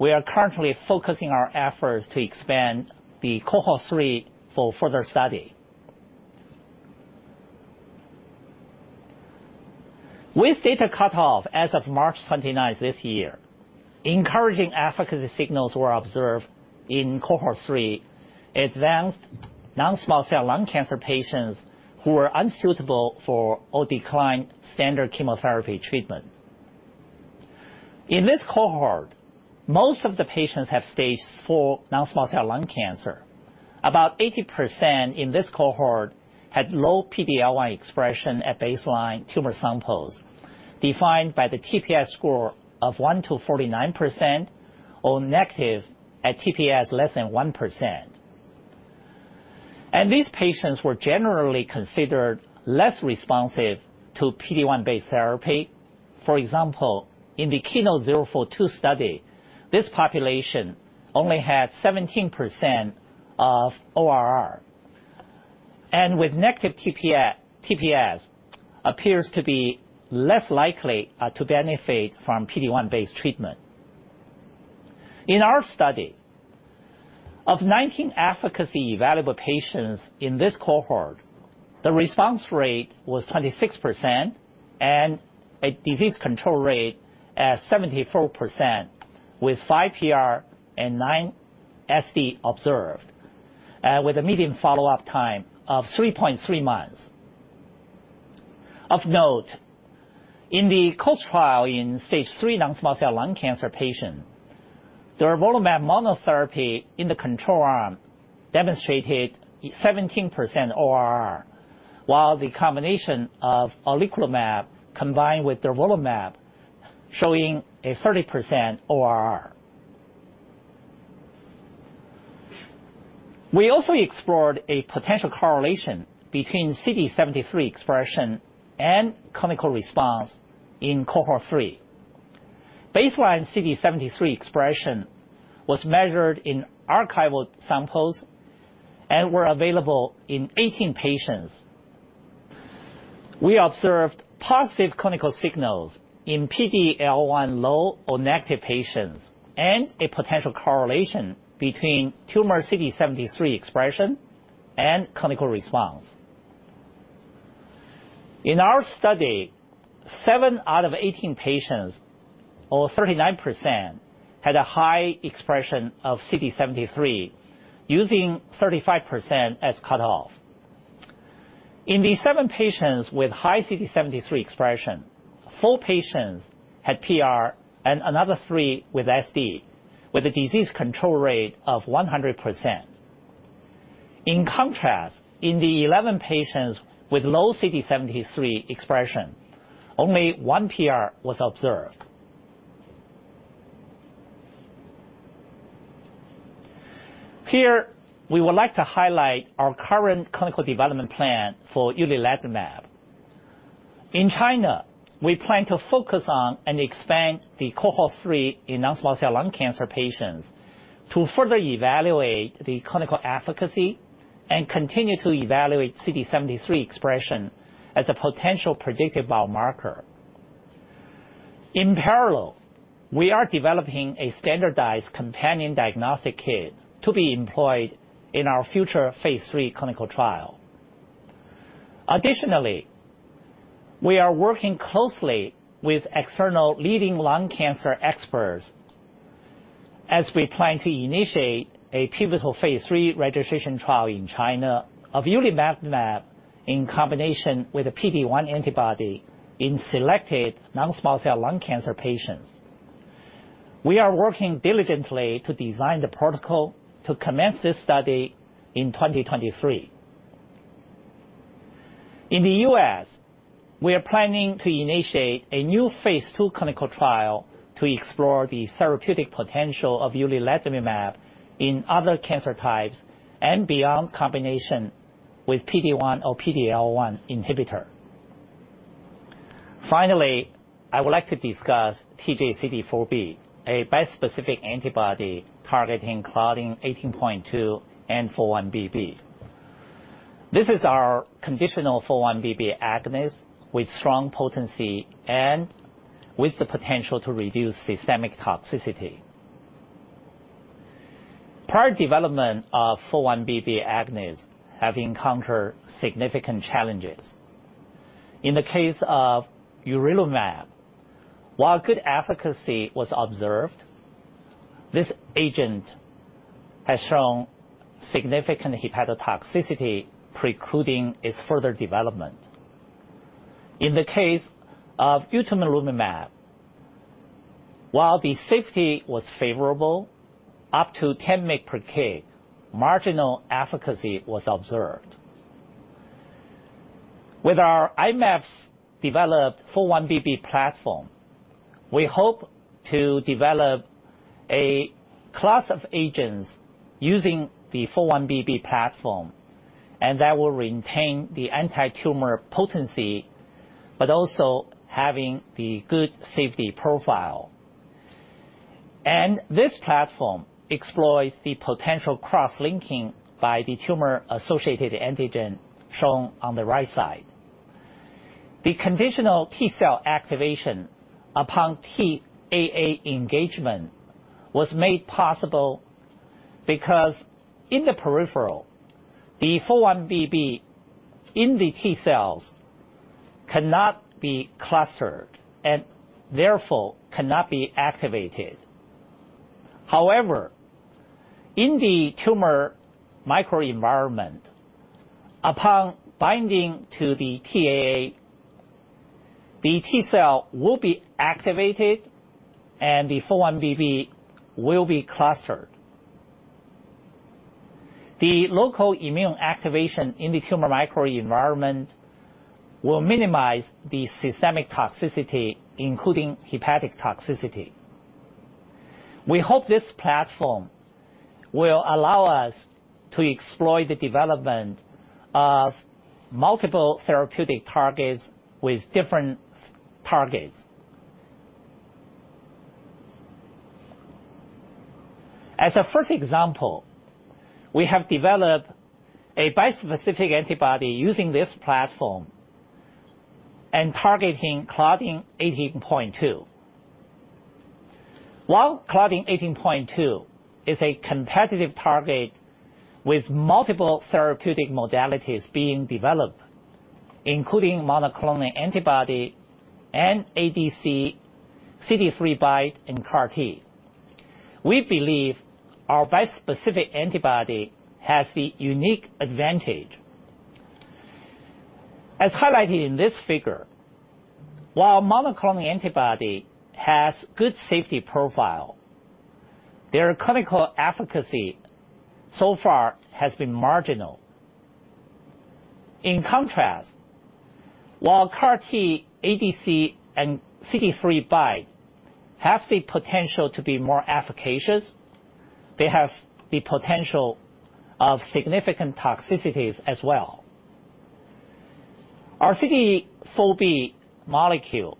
we are currently focusing our efforts to expand the cohort 3 for further study. With data cutoff as of March 29 this year, encouraging efficacy signals were observed in cohort 3, advanced non-small cell lung cancer patients who were unsuitable for or declined standard chemotherapy treatment. In this cohort, most of the patients have stage 4 non-small cell lung cancer. About 80% in this cohort had low PD-L1 expression at baseline tumor samples, defined by the TPS score of 1%-49% or negative at TPS <1%. These patients were generally considered less responsive to PD-1 based therapy. For example, in the KEYNOTE-042 study, this population only had 17% ORR. Patients with negative TPS appear to be less likely to benefit from PD-1 based treatment. In our study, of 19 efficacy evaluable patients in this cohort, the response rate was 26% and a disease control rate at 74%, with 5 PR and 9 SD observed, with a median follow-up time of 3.3 months. Of note, in the COAST trial in stage III non-small-cell lung cancer patients, durvalumab monotherapy in the control arm demonstrated 17% ORR, while the combination of oleclumab combined with durvalumab showing a 30% ORR. We also explored a potential correlation between CD73 expression and clinical response in cohort 3. Baseline CD73 expression was measured in archival samples and were available in 18 patients. We observed positive clinical signals in PD-L1 low or negative patients and a potential correlation between tumor CD73 expression and clinical response. In our study, seven out of 18 patients or 39%, had a high expression of CD73 using 35% as cutoff. In the seven patients with high CD73 expression, four patients had PR and another three with SD, with a disease control rate of 100%. In contrast, in the 11 patients with low CD73 expression, only one PR was observed. Here, we would like to highlight our current clinical development plan for uliledlimab. In China, we plan to focus on and expand the cohort 3 in non-small-cell lung cancer patients to further evaluate the clinical efficacy and continue to evaluate CD73 expression as a potential predictive biomarker. In parallel, we are developing a standardized companion diagnostic kit to be employed in our future phase III clinical trial. Additionally, we are working closely with external leading lung cancer experts as we plan to initiate a pivotal phase III registration trial in China of uliledlimab in combination with a PD-1 antibody in selected non-small-cell lung cancer patients. We are working diligently to design the protocol to commence this study in 2023. In the U.S., we are planning to initiate a new phase II clinical trial to explore the therapeutic potential of uliledlimab in other cancer types and beyond combination with PD-1 or PD-L1 inhibitor. Finally, I would like to discuss TJ-CD4B, a bispecific antibody targeting claudin 18.2 and 4-1BB. This is our conditional 4-1BB agonist with strong potency and with the potential to reduce systemic toxicity. Prior development of 4-1BB agonists have encountered significant challenges. In the case of urelumab, while good efficacy was observed, this agent has shown significant hepatotoxicity precluding its further development. In the case of utomilumab, while the safety was favorable, up to 10 mg/kg, marginal efficacy was observed. With our I-Mab's-developed 4-1BB platform, we hope to develop a class of agents using the 4-1BB platform, and that will retain the antitumor potency, but also having the good safety profile. This platform exploits the potential cross-linking by the tumor-associated antigen shown on the right side. The conditional T cell activation upon TAA engagement was made possible because in the periphery, the 4-1BB in the T cells cannot be clustered and therefore cannot be activated. However, in the tumor microenvironment, upon binding to the TAA, the T cell will be activated, and the 4-1BB will be clustered. The local immune activation in the tumor microenvironment will minimize the systemic toxicity, including hepatic toxicity. We hope this platform will allow us to explore the development of multiple therapeutic targets with different targets. As a first example, we have developed a bispecific antibody using this platform and targeting claudin 18.2. While claudin 18.2 is a competitive target with multiple therapeutic modalities being developed, including monoclonal antibody and ADC, CD3-Bi, and CAR T, we believe our bispecific antibody has the unique advantage. As highlighted in this figure, while monoclonal antibody has good safety profile, their clinical efficacy so far has been marginal. In contrast, while CAR T, ADC, and CD3-Bi have the potential to be more efficacious, they have the potential of significant toxicities as well. Our CD4B molecule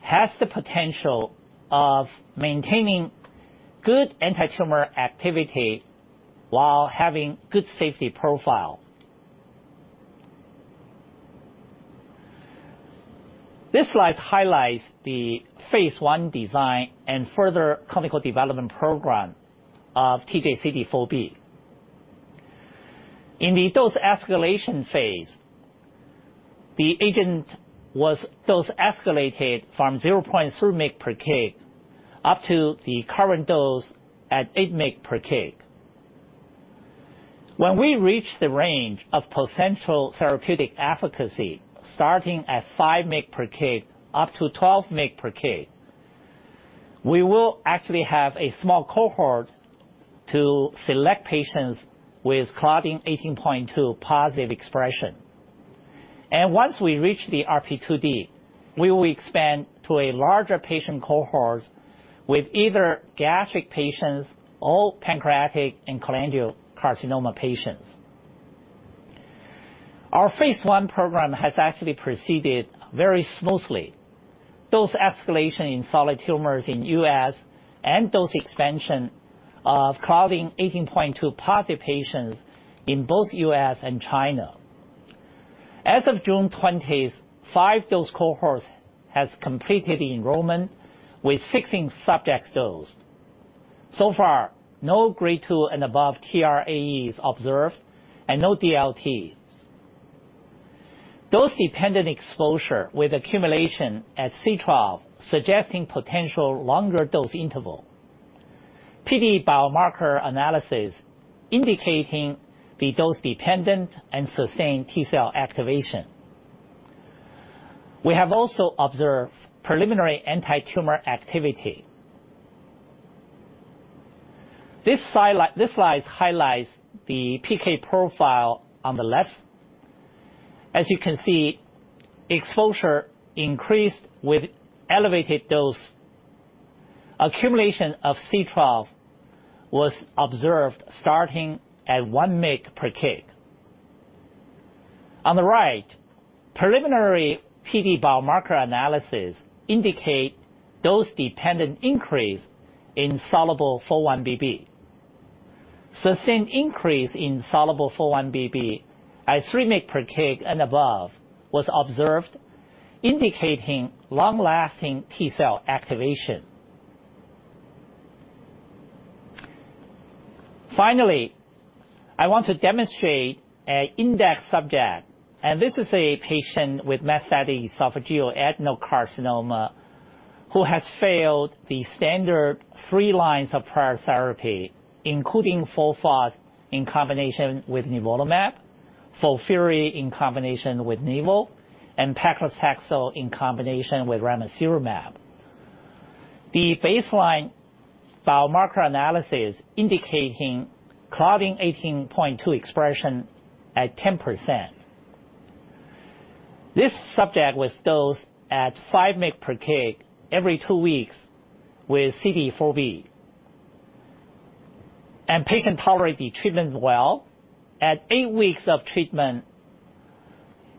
has the potential of maintaining good antitumor activity while having good safety profile. This slide highlights the phase I design and further clinical development program of TJ-CD4B. In the dose escalation phase, the agent was dose escalated from 0.3 mg per kg up to the current dose at 8 mg per kg. When we reach the range of potential therapeutic efficacy, starting at 5 mg per kg up to 12 mg per kg, we will actually have a small cohort to select patients with claudin 18.2 positive expression. Once we reach the RP2D, we will expand to a larger patient cohort with either gastric patients or pancreatic and cholangiocarcinoma patients. Our phase I program has actually proceeded very smoothly. Dose escalation in solid tumors in U.S. and dose expansion of claudin 18.2 positive patients in both U.S. and China. As of June 20th, five dose cohorts has completed enrollment, with 16 subjects dosed. So far, no grade 2 and above TRAEs observed and no DLTs. Dose-dependent exposure with accumulation at c-twelve, suggesting potential longer dose interval. PD biomarker analysis indicating the dose-dependent and sustained T cell activation. We have also observed preliminary antitumor activity. This slide highlights the PK profile on the left. As you can see, exposure increased with elevated dose. Accumulation of c-twelve was observed starting at 1 mg per kg. On the right, preliminary PD biomarker analysis indicate dose-dependent increase in soluble 4-1BB. Sustained increase in soluble 4-1BB at 3 mg per kg and above was observed, indicating long-lasting T cell activation. Finally, I want to demonstrate an index subject, and this is a patient with metastatic esophageal adenocarcinoma who has failed the standard three lines of prior therapy, including FOLFOX in combination with nivolumab, FOLFIRI in combination with nivo, and paclitaxel in combination with ramucirumab. The baseline biomarker analysis indicating claudin 18.2 expression at 10%. This subject was dosed at 5 mg per kg every 2 weeks with CD4B. Patient tolerated treatment well. At eight weeks of treatment,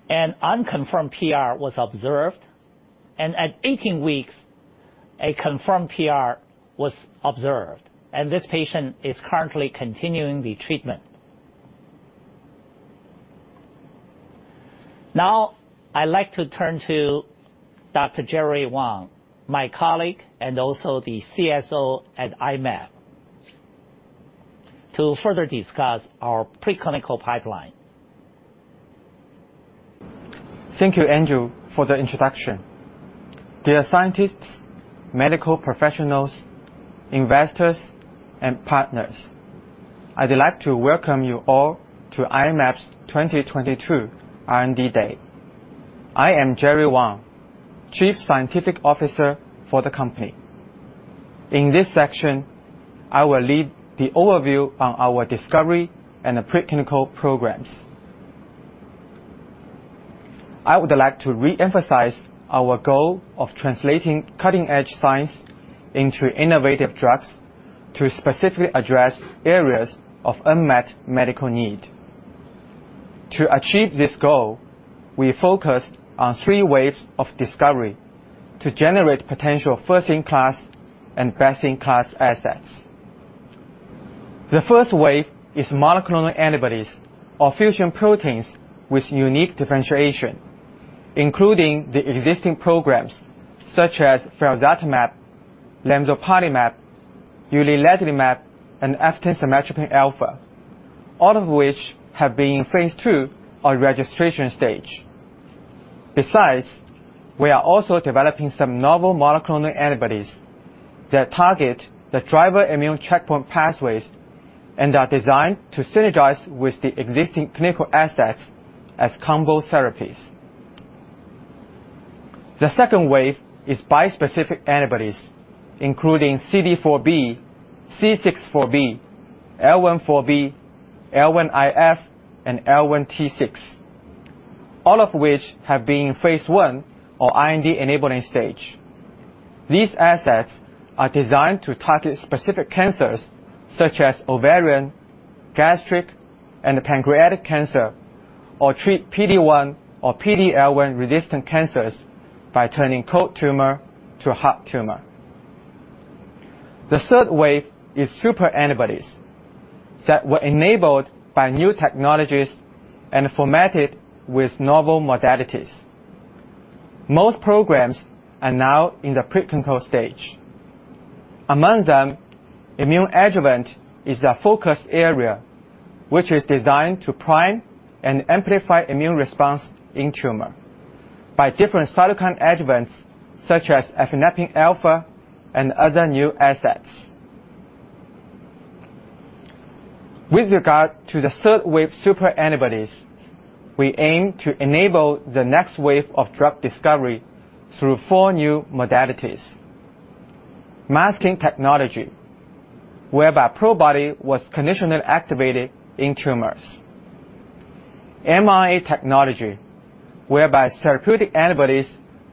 an unconfirmed PR was observed, and at 18 weeks, a confirmed PR was observed, and this patient is currently continuing the treatment. Now, I'd like to turn to Dr. Jerry Wang, my colleague and also the CSO at I-Mab, to further discuss our preclinical pipeline. Thank you, Andrew, for the introduction. Dear scientists, medical professionals, investors, and partners, I'd like to welcome you all to I-Mab's 2022 R&D Day. I am Jerry Wang, Chief Scientific Officer for the company. In this section, I will lead the overview on our discovery and the preclinical programs. I would like to re-emphasize our goal of translating cutting-edge science into innovative drugs to specifically address areas of unmet medical need. To achieve this goal, we focused on three waves of discovery to generate potential first-in-class and best-in-class assets. The first wave is monoclonal antibodies or fusion proteins with unique differentiation, including the existing programs such as felzartamab, lemzoparlimab, uliledlimab, and eftansomatropin alfa, all of which have been in phase II or registration stage. Besides, we are also developing some novel monoclonal antibodies that target the driver immune checkpoint pathways and are designed to synergize with the existing clinical assets as combo therapies. The second wave is bispecific antibodies, including CD4B, C64B, L14B, L1IF, and L1T6. All of which have been in phase I or IND-enabling stage. These assets are designed to target specific cancers such as ovarian, gastric, and pancreatic cancer or treat PD-1 or PD-L1-resistant cancers by turning cold tumor to hot tumor. The third wave is super antibodies that were enabled by new technologies and formatted with novel modalities. Most programs are now in the preclinical stage. Among them, immune adjuvant is a focus area which is designed to prime and amplify immune response in tumor by different cytokine adjuvants such as efineptakin alfa and other new assets. With regard to the third wave super antibodies, we aim to enable the next wave of drug discovery through four new modalities. Masking technology, whereby Probody was conditionally activated in tumors. mRNA technology, whereby therapeutic antibodies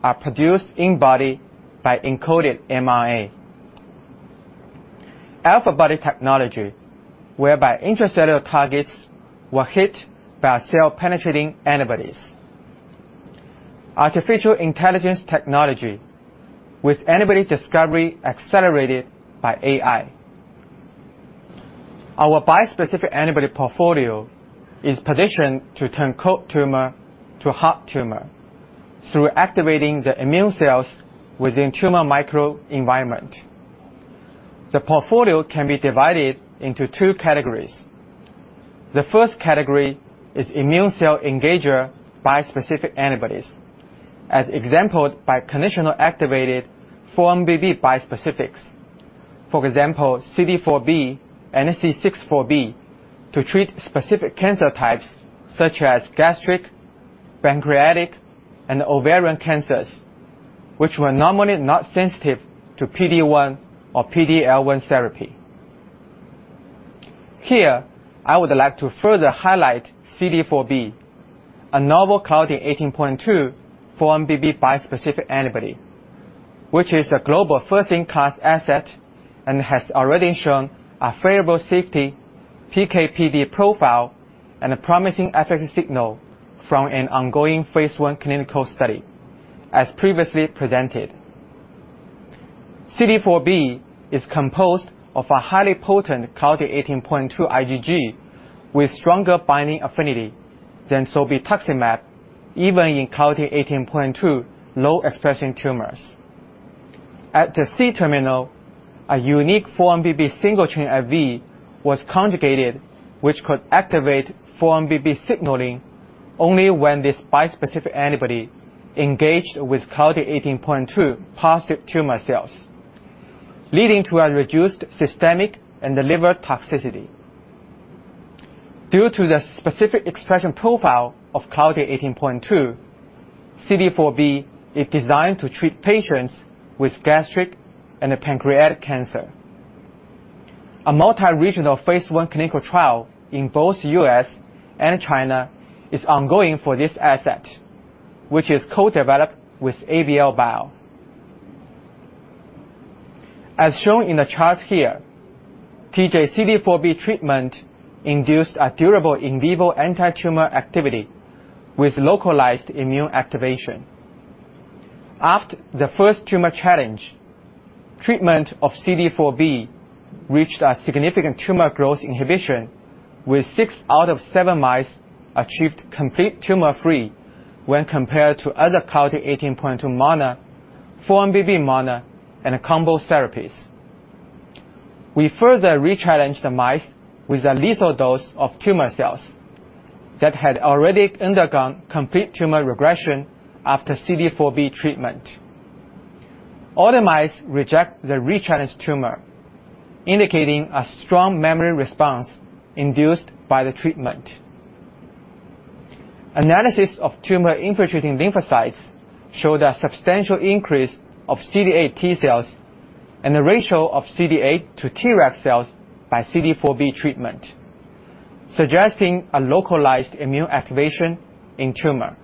are produced in body by encoded mRNA. Alphabody technology, whereby intracellular targets were hit by cell-penetrating antibodies. Artificial intelligence technology with antibody discovery accelerated by AI. Our bispecific antibody portfolio is positioned to turn cold tumor to hot tumor through activating the immune cells within tumor microenvironment. The portfolio can be divided into two categories. The first category is immune cell engager bispecific antibodies, as exampled by conditionally activated 4-1BB bispecifics. For example, CD4B and C64B to treat specific cancer types such as gastric, pancreatic, and ovarian cancers, which were normally not sensitive to PD-1 or PD-L1 therapy. Here, I would like to further highlight CD4B, a novel claudin 18.2, 4-1BB bispecific antibody, which is a global first-in-class asset and has already shown a favorable safety PK/PD profile and a promising efficacy signal from an ongoing phase I clinical study, as previously presented. CD4B is composed of a highly potent claudin 18.2 IgG with stronger binding affinity than zolbetuximab, even in claudin 18.2 low-expressing tumors. At the C-terminal, a unique 4-1BB single-chain Fv was conjugated, which could activate 4-1BB signaling only when this bispecific antibody engaged with claudin 18.2 positive tumor cells, leading to a reduced systemic and delivered toxicity. Due to the specific expression profile of claudin 18.2, CD4B is designed to treat patients with gastric and pancreatic cancer. A multi-regional phase I clinical trial in both U.S. and China is ongoing for this asset, which is co-developed with ABL Bio. As shown in the chart here, TJ-CD4B treatment induced a durable in vivo anti-tumor activity with localized immune activation. After the first tumor challenge, treatment of CD4B reached a significant tumor growth inhibition with six out of seven mice achieved complete tumor free when compared to other claudin 18.2 mono, 4-1BB mono, and combo therapies. We further rechallenged the mice with a lethal dose of tumor cells that had already undergone complete tumor regression after CD4B treatment. All the mice reject the rechallenged tumor, indicating a strong memory response induced by the treatment. Analysis of tumor-infiltrating lymphocytes showed a substantial increase of CD8 T cells and a ratio of CD8 to Treg cells by CD4B treatment, suggesting a localized immune activation in tumor.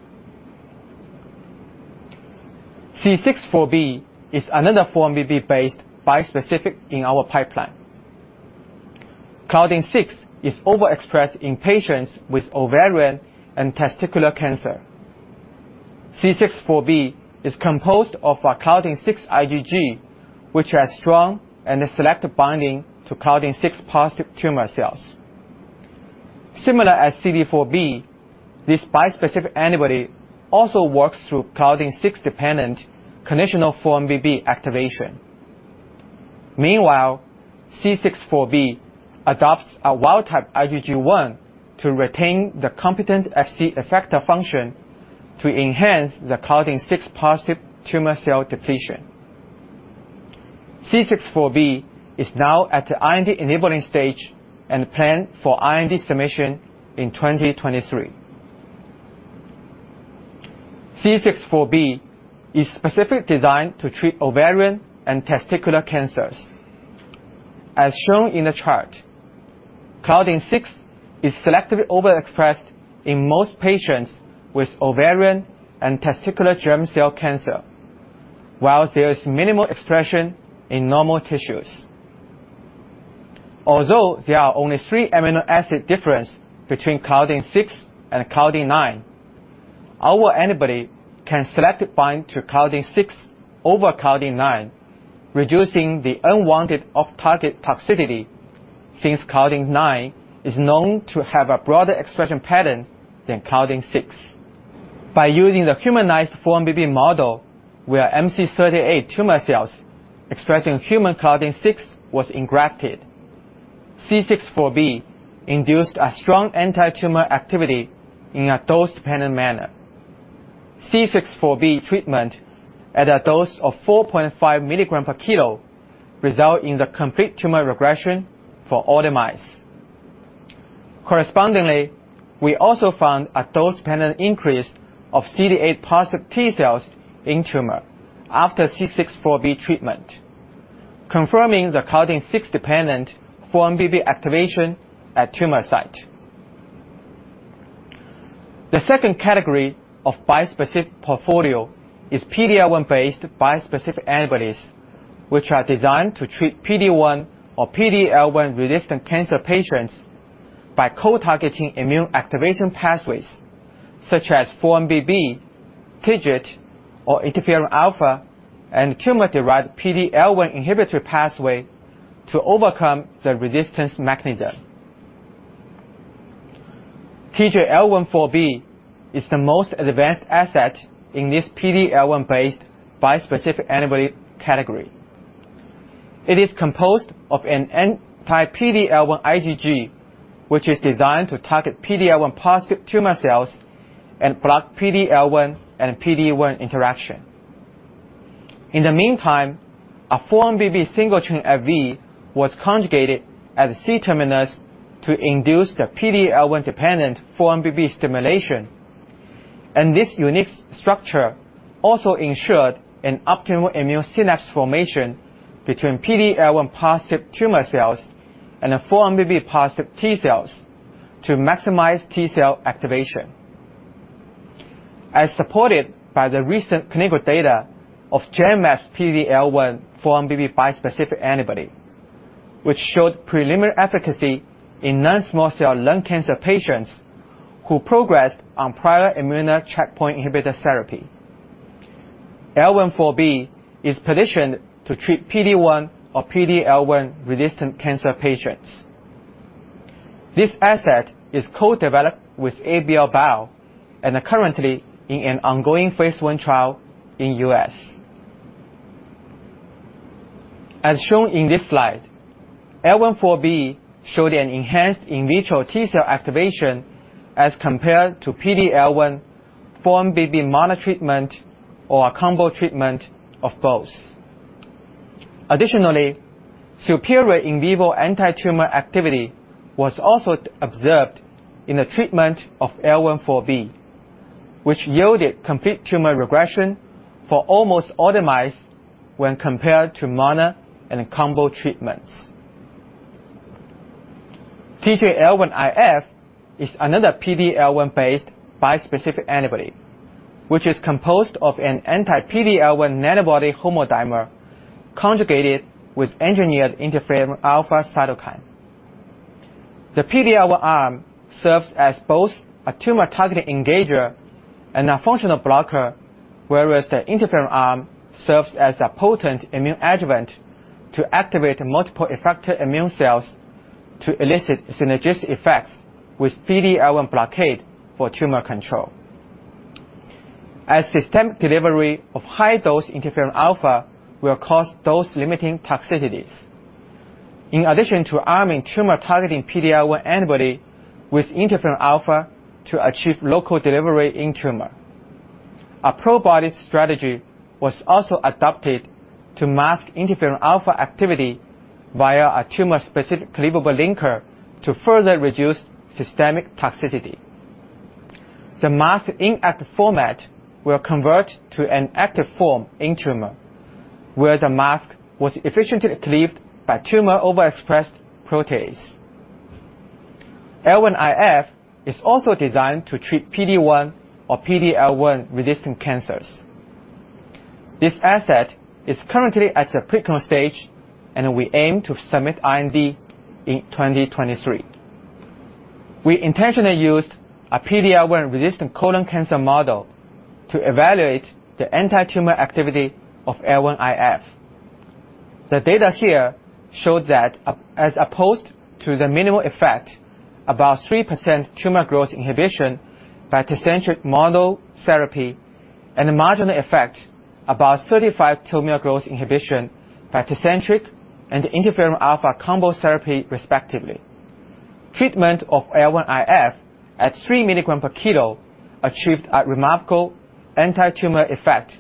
C64B is another 4-1BB-based bispecific in our pipeline. Claudin 6 is overexpressed in patients with ovarian and testicular cancer. C64B is composed of a claudin 6 IgG, which has strong and selective binding to claudin 6-positive tumor cells. Similar to CD4B, this bispecific antibody also works through claudin 6-dependent conditional 4-1BB activation. Meanwhile, C64B adopts a wild-type IgG1 to retain the competent Fc effector function to enhance the claudin 6-positive tumor cell depletion. C64B is now at the IND-enabling stage and planned for IND submission in 2023. C64B is specifically designed to treat ovarian and testicular cancers. As shown in the chart, claudin 6 is selectively overexpressed in most patients with ovarian and testicular germ cell cancer, while there is minimal expression in normal tissues. Although there are only three amino acid difference between claudin 6 and claudin 9, our antibody can selectively bind to claudin 6 over claudin 9, reducing the unwanted off-target toxicity since claudin 9 is known to have a broader expression pattern than claudin 6. By using the humanized 4-1BB model, where MC38 tumor cells expressing human claudin 6 was engrafted, C64B induced a strong anti-tumor activity in a dose-dependent manner. C64B treatment at a dose of 4.5 mg/kg result in the complete tumor regression for all the mice. Correspondingly, we also found a dose-dependent increase of CD8-positive T cells in tumor after C64B treatment, confirming the claudin 6-dependent 4-1BB activation at tumor site. The second category of bispecific portfolio is PD-L1 based bispecific antibodies, which are designed to treat PD-1 or PD-L1 resistant cancer patients by co-targeting immune activation pathways such as 4-1BB, TIGIT, or interferon alfa and tumor-derived PD-L1 inhibitory pathway to overcome the resistance mechanism. TJ-L14B is the most advanced asset in this PD-L1 based bispecific antibody category. It is composed of an anti-PD-L1 IgG, which is designed to target PD-L1 positive tumor cells and block PD-L1 and PD-1 interaction. In the meantime, a 4-1BB single chain Fv was conjugated at the C-terminus to induce the PD-L1 dependent 4-1BB stimulation. This unique structure also ensured an optimal immune synapse formation between PD-L1 positive tumor cells and a 4-1BB positive T cells to maximize T cell activation. As supported by the recent clinical data of Genmab PD-L1 4-1BB bispecific antibody, which showed preliminary efficacy in non-small cell lung cancer patients who progressed on prior immune checkpoint inhibitor therapy. L14B is positioned to treat PD-1 or PD-L1 resistant cancer patients. This asset is co-developed with ABL Bio and are currently in an ongoing phase I trial in U.S. As shown in this slide, L14B showed an enhanced in vitro T cell activation as compared to PD-L1 4-1BB mono treatment or a combo treatment of both. Additionally, superior in vivo antitumor activity was also observed in the treatment of L14B, which yielded complete tumor regression for almost all the mice when compared to mono and combo treatments. TJ-L1IF is another PD-L1-based bispecific antibody, which is composed of an anti-PD-L1 nanobody homodimer conjugated with engineered interferon alfa cytokine. The PD-L1 arm serves as both a tumor-targeting engager and a functional blocker, whereas the interferon arm serves as a potent immune adjuvant to activate multiple effector immune cells to elicit synergistic effects with PD-L1 blockade for tumor control. Systemic delivery of high dose interferon alfa will cause dose-limiting toxicities. In addition to arming tumor targeting PD-L1 antibody with interferon alfa to achieve local delivery in tumor, a Probody strategy was also adopted to mask interferon alfa activity via a tumor-specific cleavable linker to further reduce systemic toxicity. The masked inactive format will convert to an active form in tumor, where the mask was efficiently cleaved by tumor overexpressed protease. L1IF is also designed to treat PD-1 or PD-L1 resistant cancers. This asset is currently at the preclinical stage, and we aim to submit IND in 2023. We intentionally used a PD-L1 resistant colon cancer model to evaluate the antitumor activity of L1IF. The data here showed that as opposed to the minimal effect, about 3% tumor growth inhibition by Tecentriq monotherapy and a marginal effect, about 35% tumor growth inhibition by Tecentriq and interferon alfa combo therapy respectively. Treatment of L1IF at 3 mg/kg achieved a remarkable antitumor effect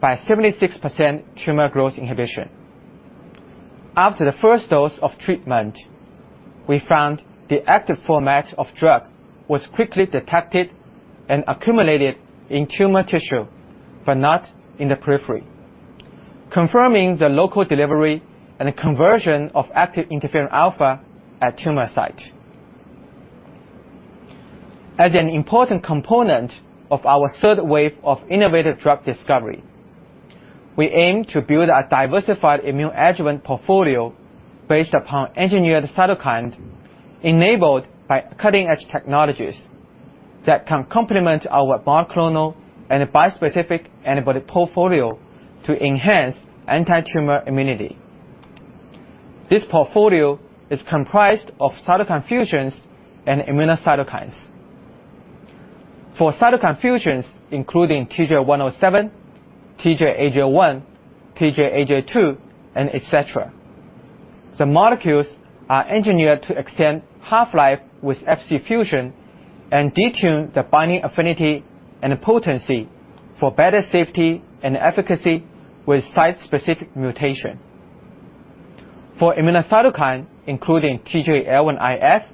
by 76% tumor growth inhibition. After the first dose of treatment, we found the active form of the drug was quickly detected and accumulated in tumor tissue, but not in the periphery, confirming the local delivery and conversion of active interferon alfa at tumor site. As an important component of our third wave of innovative drug discovery, we aim to build a diversified immune adjuvant portfolio based upon engineered cytokine enabled by cutting-edge technologies that can complement our monoclonal and bispecific antibody portfolio to enhance antitumor immunity. This portfolio is comprised of cytokine fusions and immunocytokines. For cytokine fusions including TJ107, TJAJ1, TJAJ2, and et cetera. The molecules are engineered to extend half-life with FC fusion and detune the binding affinity and potency for better safety and efficacy with site-specific mutation. For immunocytokine, including TJ-L1IF,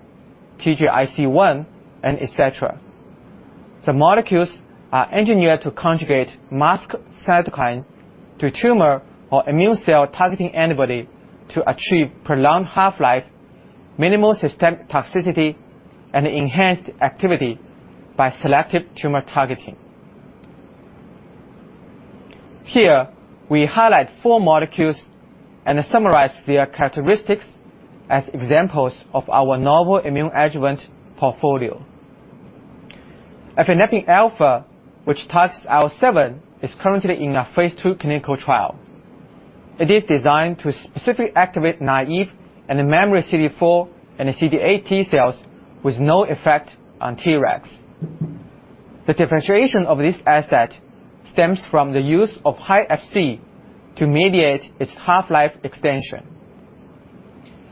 TJIC1, and et cetera. The molecules are engineered to conjugate masked cytokines to tumor or immune cell targeting antibody to achieve prolonged half-life, minimal systemic toxicity, and enhanced activity by selective tumor targeting. Here, we highlight four molecules and summarize their characteristics as examples of our novel immune adjuvant portfolio. Efineptakin alfa, which targets IL-7, is currently in a phase II clinical trial. It is designed to specifically activate naive and memory CD4 and CD8 T cells with no effect on Tregs. The differentiation of this asset stems from the use of hyFc to mediate its half-life extension.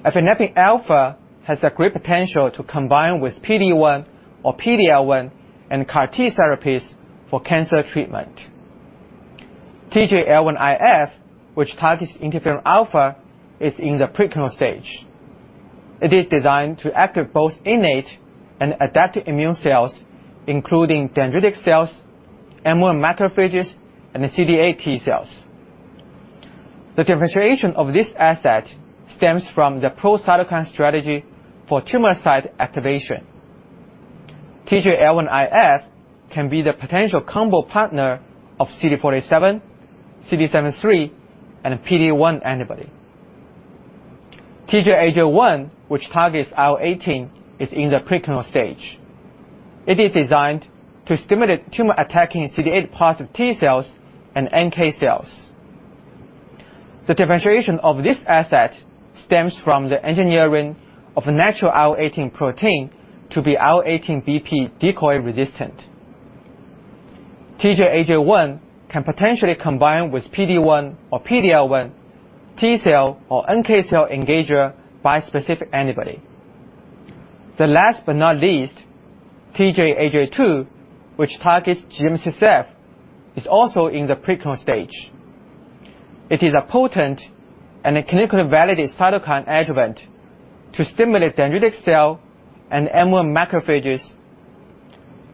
Efineptakin alfa has a great potential to combine with PD-1 or PD-L1 and CAR T therapies for cancer treatment. TJ-L1IF, which targets interferon alfa, is in the preclinical stage. It is designed to activate both innate and adaptive immune cells, including dendritic cells, M1 macrophages, and the CD8 T cells. The differentiation of this asset stems from the pro-cytokine strategy for tumor site activation. TJ-L1IF can be the potential combo partner of CD47, CD73, and PD-1 antibody. TJAJ1, which targets IL-18, is in the preclinical stage. It is designed to stimulate tumor attacking CD8 positive T cells and NK cells. The differentiation of this asset stems from the engineering of a natural IL-18 protein to be IL-18BP decoy resistant. TJAJ1 can potentially combine with PD-1 or PD-L1 T-cell or NK cell engager bispecific antibody. Last but not least, TJAJ2, which targets GM-CSF, is also in the preclinical stage. It is a potent and a clinically validated cytokine adjuvant to stimulate dendritic cell and M1 macrophages.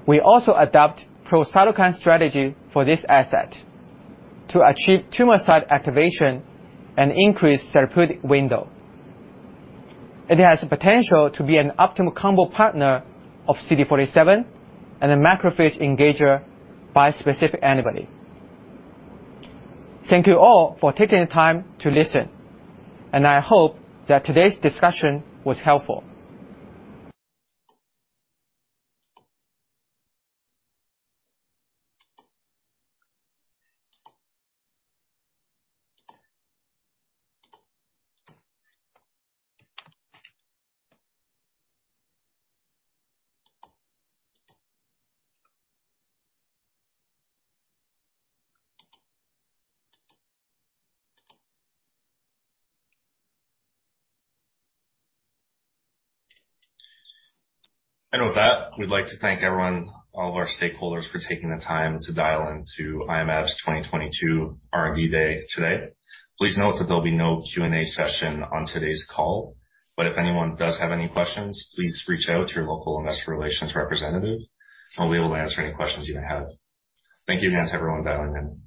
We also adopt pro-cytokine strategy for this asset to achieve tumor site activation and increase therapeutic window. It has the potential to be an optimal combo partner of CD47 and a macrophage engager bispecific antibody. Thank you all for taking the time to listen, and I hope that today's discussion was helpful. With that, we'd like to thank everyone, all of our stakeholders, for taking the time to dial in to I-Mab's 2022 R&D Day today. Please note that there'll be no Q&A session on today's call. If anyone does have any questions, please reach out to your local investor relations representative. They'll be able to answer any questions you have. Thank you again to everyone dialing in.